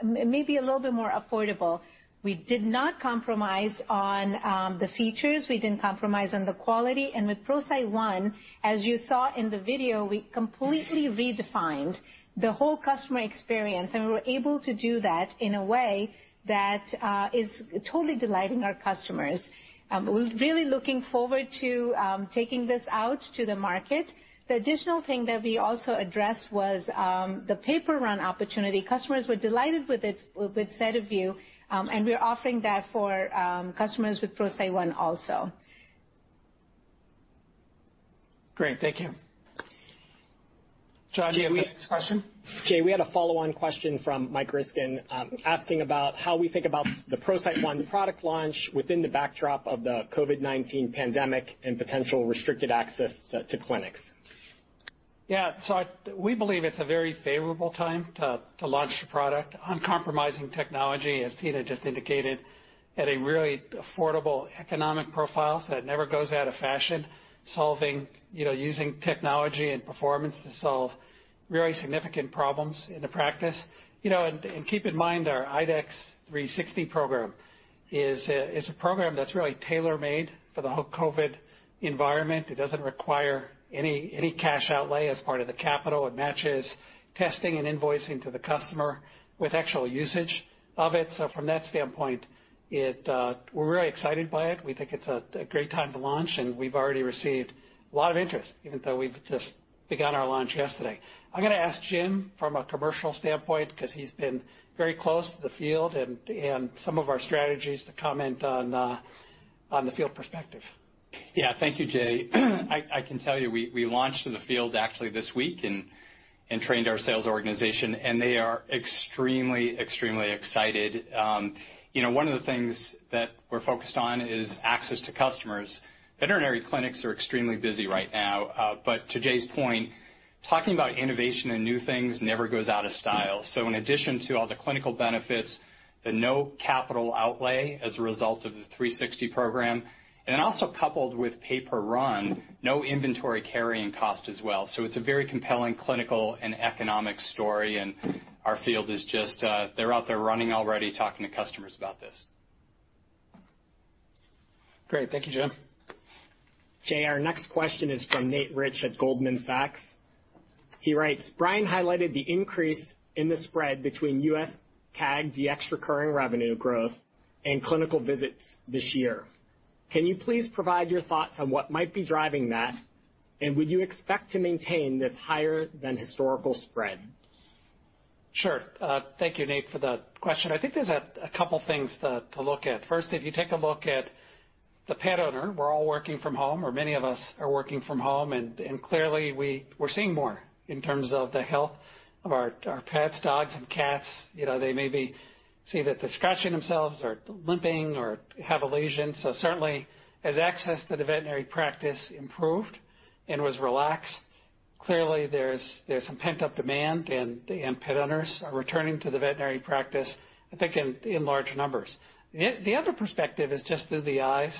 C: maybe a little bit more affordable. We did not compromise on the features, we didn't compromise on the quality. With ProCyte One, as you saw in the video, we completely redefined the whole customer experience, and we were able to do that in a way that is totally delighting our customers. We're really looking forward to taking this out to the market. The additional thing that we also addressed was the pay-per-run opportunity. Customers were delighted with VetView, and we're offering that for customers with ProCyte One also.
A: Great. Thank you. John, do you have the next question?
F: Jay, we had a follow-on question from Mike Ryskin, asking about how we think about the ProCyte One product launch within the backdrop of the COVID-19 pandemic and potential restricted access to clinics.
A: Yeah. We believe it's a very favorable time to launch the product, uncompromising technology, as Tina just indicated, at a really affordable economic profile, so it never goes out of fashion, solving, you know, using technology and performance to solve very significant problems in the practice, you know. Keep in mind, our IDEXX 360 program is a program that's really tailor-made for the whole COVID environment. It doesn't require any cash outlay as part of the capital. It matches testing and invoicing to the customer with actual usage of it. From that standpoint, we're very excited by it. We think it's a great time to launch, and we've already received a lot of interest, even though we've just begun our launch yesterday. I'm going to ask Jim from a commercial standpoint, because he's been very close to the field and some of our strategies to comment on the field perspective.
B: Yeah. Thank you, Jay. I can tell you, we launched in the field actually this week and trained our sales organization, and they are extremely, extremely excited. One of the things that we're focused on is access to customers. Veterinary clinics are extremely busy right now. To Jay's point, talking about innovation and new things never goes out of style. In addition to all the clinical benefits, the no capital outlay as a result of the 360 Program, and then also coupled with pay per run, no inventory carrying cost as well. It's a very compelling clinical and economic story, and our field is just, they're out there running already, talking to customers about this.
A: Great. Thank you, Jim.
F: Jay, our next question is from Nathan Rich at Goldman Sachs. He writes, Brian highlighted the increase in the spread between U.S. CAG Dx recurring revenue growth and clinical visits this year. Can you please provide your thoughts on what might be driving that, and would you expect to maintain this higher than historical spread?
A: Sure. Thank you, Nate, for the question. I think there's a couple things to look at. If you take a look at the pet owner, we're all working from home, or many of us are working from home, and clearly we're seeing more in terms of the health of our pets, dogs and cats. They maybe see that they're scratching themselves or limping or have a lesion. Certainly, as access to the veterinary practice improved and was relaxed, clearly there's some pent-up demand, and pet owners are returning to the veterinary practice, I think, in large numbers. The other perspective is just through the eyes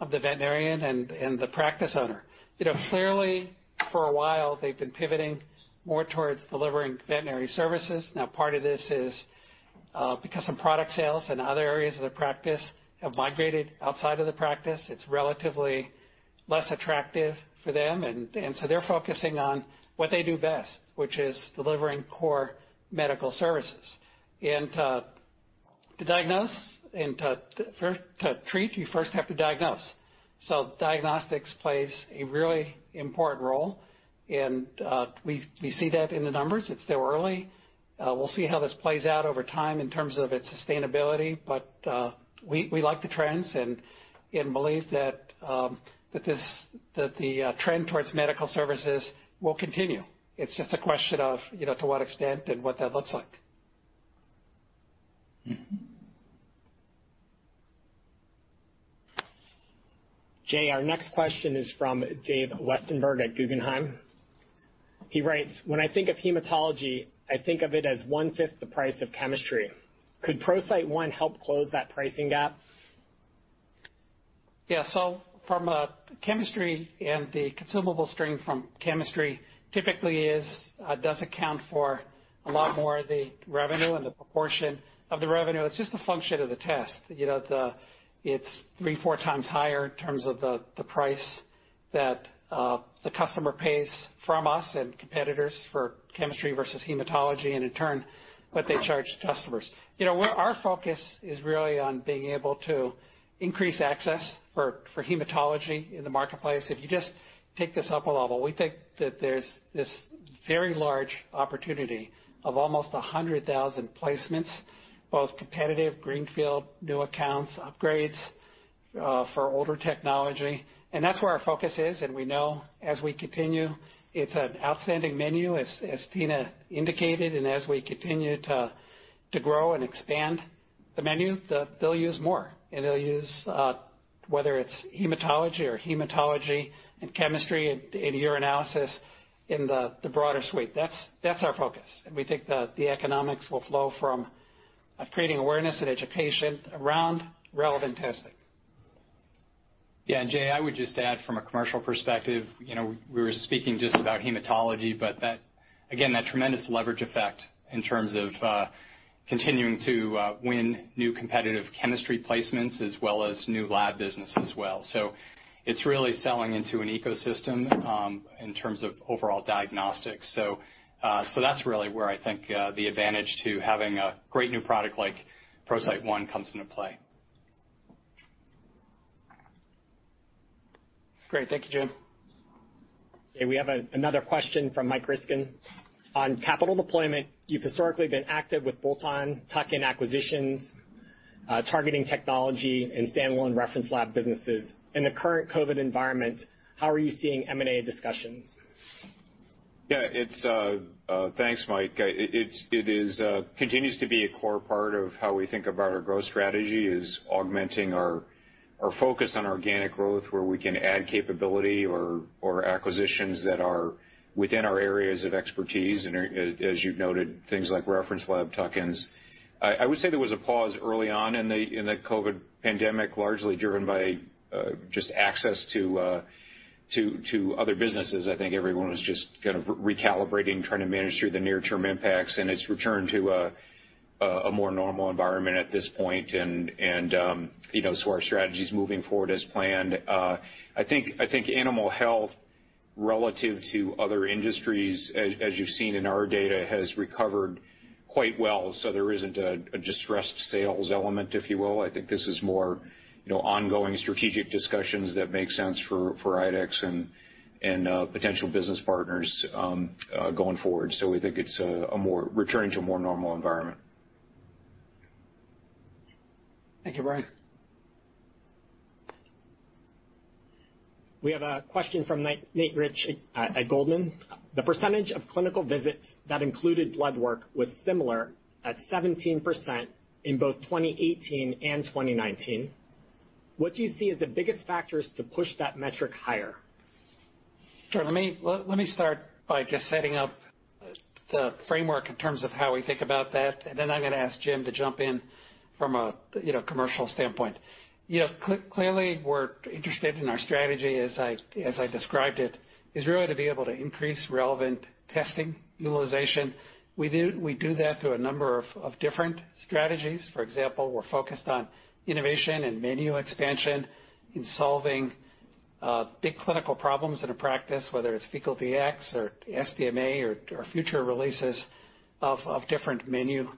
A: of the veterinarian and the practice owner. You know, clearly, for a while, they've been pivoting more towards delivering veterinary services. Now part of this is because some product sales and other areas of the practice have migrated outside of the practice. It's relatively less attractive for them. They're focusing on what they do best, which is delivering core medical services and to treat, you first have to diagnose. Diagnostics plays a really important role, and we see that in the numbers. It's still early. We'll see how this plays out over time in terms of its sustainability. We like the trends and believe that the trend towards medical services will continue. It's just a question of, you know, to what extent and what that looks like.
F: Jay, our next question is from Dave Westenberg at Guggenheim. He writes, when I think of hematology, I think of it as 1/5 the price of chemistry. Could ProCyte One help close that pricing gap?
A: Yeah, so from a chemistry and the consumable stream from chemistry typically does account for a lot more of the revenue and the proportion of the revenue. It's just a function of the test. It's 3x, 4x higher in terms of the price that the customer pays from us and competitors for chemistry versus hematology, and in turn, what they charge customers. You know what? Our focus is really on being able to increase access for hematology in the marketplace. If you just take this up a level, we think that there's this very large opportunity of almost 100,000 placements, both competitive, greenfield, new accounts, upgrades for older technology, and that's where our focus is, and we know as we continue, it's an outstanding menu, as Tina indicated, and as we continue to grow and expand the menu, they'll use more. They'll use, whether it's hematology or hematology and chemistry and urinalysis in the broader suite. That's our focus and we think that the economics will flow from creating awareness and education around relevant testing.
B: Jay, I would just add from a commercial perspective, we were speaking just about hematology, again, that tremendous leverage effect in terms of continuing to win new competitive chemistry placements as well as new lab business as well. It's really selling into an ecosystem in terms of overall diagnostics. That's really where I think the advantage to having a great new product like ProCyte One comes into play.
F: Great. Thank you, Jim. Okay, we have another question from Mike Ryskin. On capital deployment, you've historically been active with bolt-on tuck-in acquisitions, targeting technology, and standalone reference lab businesses. In the current COVID environment, how are you seeing M&A discussions?
E: Yeah. Thanks, Mike. It continues to be a core part of how we think about our growth strategy, is augmenting our focus on organic growth where we can add capability or acquisitions that are within our areas of expertise and, as you've noted, things like reference lab tuck-ins. I would say there was a pause early on in the COVID pandemic, largely driven by just access to other businesses. I think everyone was just kind of recalibrating and trying to manage through the near-term impacts, and it's returned to a more normal environment at this point. Our strategy's moving forward as planned. I think animal health, relative to other industries, as you've seen in our data, has recovered quite well, so there isn't a distressed sales element, if you will. I think this is more ongoing strategic discussions that make sense for IDEXX and potential business partners going forward. We think it's returning to a more normal environment.
F: Thank you, Brian. We have a question from Nate Rich at Goldman. The percentage of clinical visits that included blood work was similar at 17% in both 2018 and 2019. What do you see as the biggest factors to push that metric higher?
A: Sure. Let me start by just setting up the framework in terms of how we think about that. Then I'm going to ask Jim to jump in from a, you know, commercial standpoint. Clearly, we're interested in our strategy, as I described it, is really to be able to increase relevant testing utilization. We do that through a number of different strategies. For example, we're focused on innovation and menu expansion in solving big clinical problems in a practice, whether it's Fecal Dx or SDMA or future releases of different menu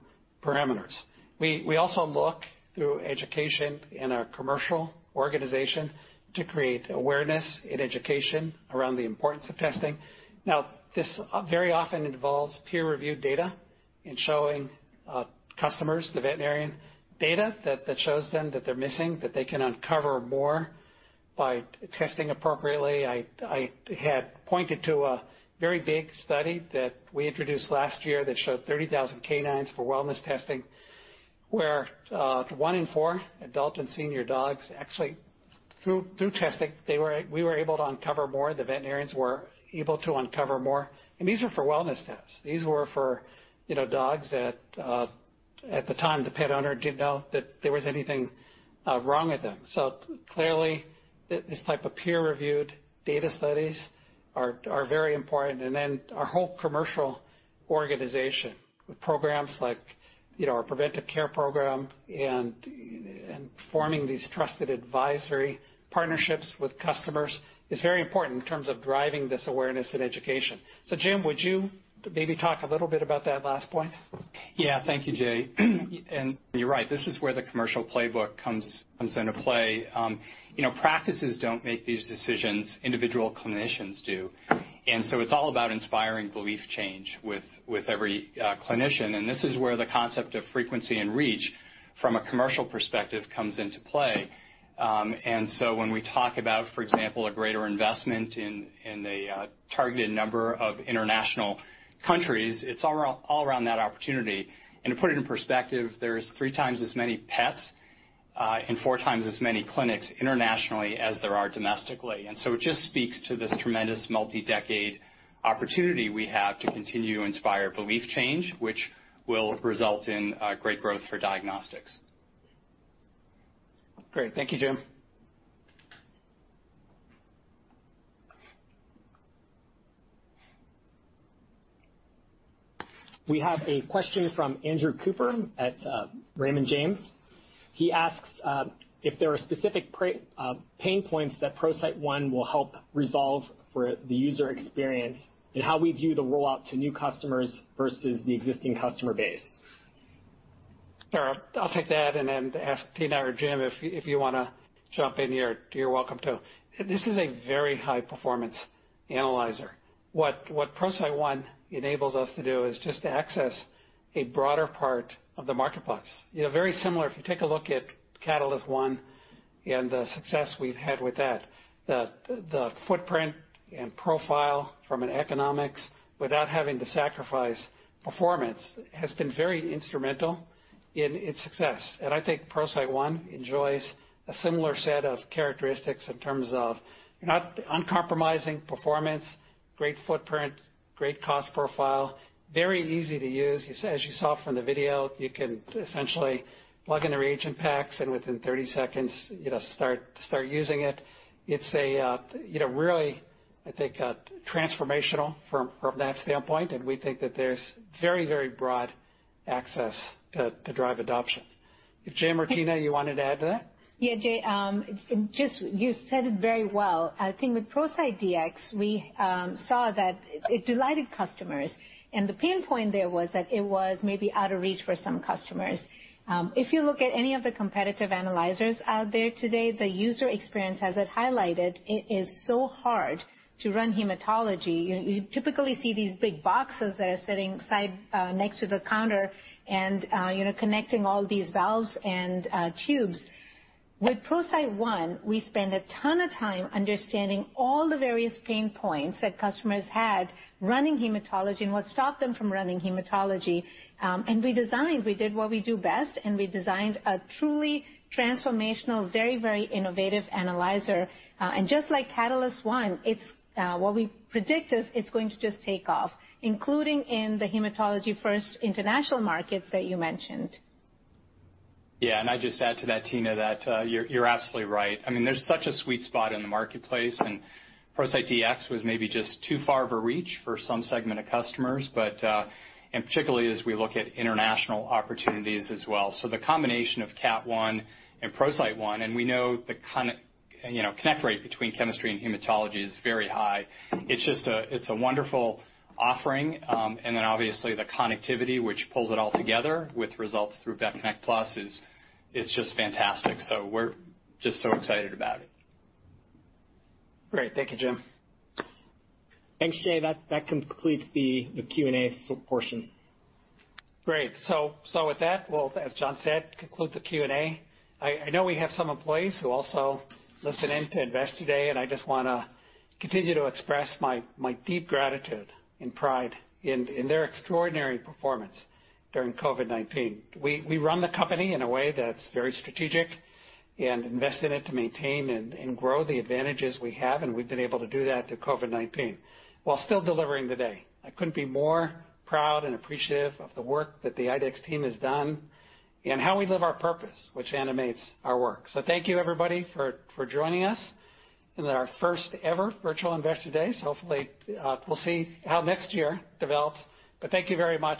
A: parameters. We also look through education in our commercial organization to create awareness and education around the importance of testing. Now this very often involves peer-reviewed data and showing customers, the veterinarian data that shows them that they're missing, that they can uncover more by testing appropriately. I had pointed to a very big study that we introduced last year that showed 30,000 canines for wellness testing, where one in four adult and senior dogs actually, through testing, we were able to uncover more. The veterinarians were able to uncover more and these were for wellness tests. These were for, you know, dogs that, at the time, the pet owner didn't know that there was anything wrong with them. Clearly, this type of peer-reviewed data studies are very important, and then our whole commercial organization with programs like our Preventive Care program and forming these trusted advisory partnerships with customers is very important in terms of driving this awareness and education. Jim, would you maybe talk a little bit about that last point?
B: Yeah, thank you, Jay, and you're right, this is where the commercial playbook comes into play. You know, practices don't make these decisions, individual clinicians do. It's all about inspiring belief change with every clinician, and this is where the concept of frequency and reach from a commercial perspective comes into play, and so when we talk about, for example, a greater investment in a targeted number of international countries, it's all around that opportunity. To put it in perspective, there's 3x as many pets and four times as many clinics internationally as there are domestically. It just speaks to this tremendous multi-decade opportunity we have to continue to inspire belief change, which will result in great growth for diagnostics.
A: Great. Thank you, Jim.
F: We have a question from Andrew Cooper at Raymond James. He asks if there are specific pain points that ProCyte One will help resolve for the user experience, and how we view the rollout to new customers versus the existing customer base.
A: Sure, I'll take that and then ask Tina or Jim if you want to jump in here, you're welcome to. This is a very high-performance analyzer. What ProCyte One enables us to do is just to access a broader part of the marketplace. You know, very similar, if you take a look at Catalyst One and the success we've had with that, the footprint and profile from an economics without having to sacrifice performance has been very instrumental in its success. I think ProCyte One enjoys a similar set of characteristics in terms of uncompromising performance, great footprint, great cost profile, very easy to use. As you saw from the video, you can essentially plug in the reagent packs and within 30 seconds, start using it. It's really, I think, transformational from that standpoint, and we think that there's very broad access to drive adoption. Jim or Tina, you wanted to add to that?
C: Yeah, Jay, you said it very well. I think with ProCyte Dx, we saw that it delighted customers, and the pain point there was that it was maybe out of reach for some customers. If you look at any of the competitive analyzers out there today, the user experience, as it highlighted, it is so hard to run hematology. You typically see these big boxes that are sitting next to the counter and connecting all these valves and tubes. With ProCyte One, we spend a ton of time understanding all the various pain points that customers had running hematology and what stopped them from running hematology. We did what we do best, and we designed a truly transformational, very innovative analyzer, and just like Catalyst One, what we predict is it's going to just take off, including in the hematology-first international markets that you mentioned.
B: Yeah. I'd just add to that, Tina, that you're absolutely right. There's such a sweet spot in the marketplace, and ProCyte Dx was maybe just too far of a reach for some segment of customers, and particularly as we look at international opportunities as well. The combination of Cat One and ProCyte One, and we know the connect rate between chemistry and hematology is very high. It's a wonderful offering, and then obviously the connectivity which pulls it all together with results through VetConnect PLUS is just fantastic. We're just so excited about it.
A: Great. Thank you, Jim.
F: Thanks, Jay. That concludes the Q&A portion.
A: Great. With that, we'll, as John said, conclude the Q&A. I know we have some employees who also listen in to Investor Day, and I just want to continue to express my deep gratitude and pride in their extraordinary performance during COVID-19. We run the company in a way that's very strategic and invest in it to maintain and grow the advantages we have, and we've been able to do that through COVID-19 while still delivering today. I couldn't be more proud and appreciative of the work that the IDEXX team has done and how we live our purpose, which animates our work. Thank you everybody for joining us in our first ever virtual Investor Day. Hopefully, we'll see how next year develops. Thank you very much,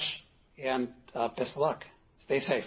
A: and best of luck. Stay safe.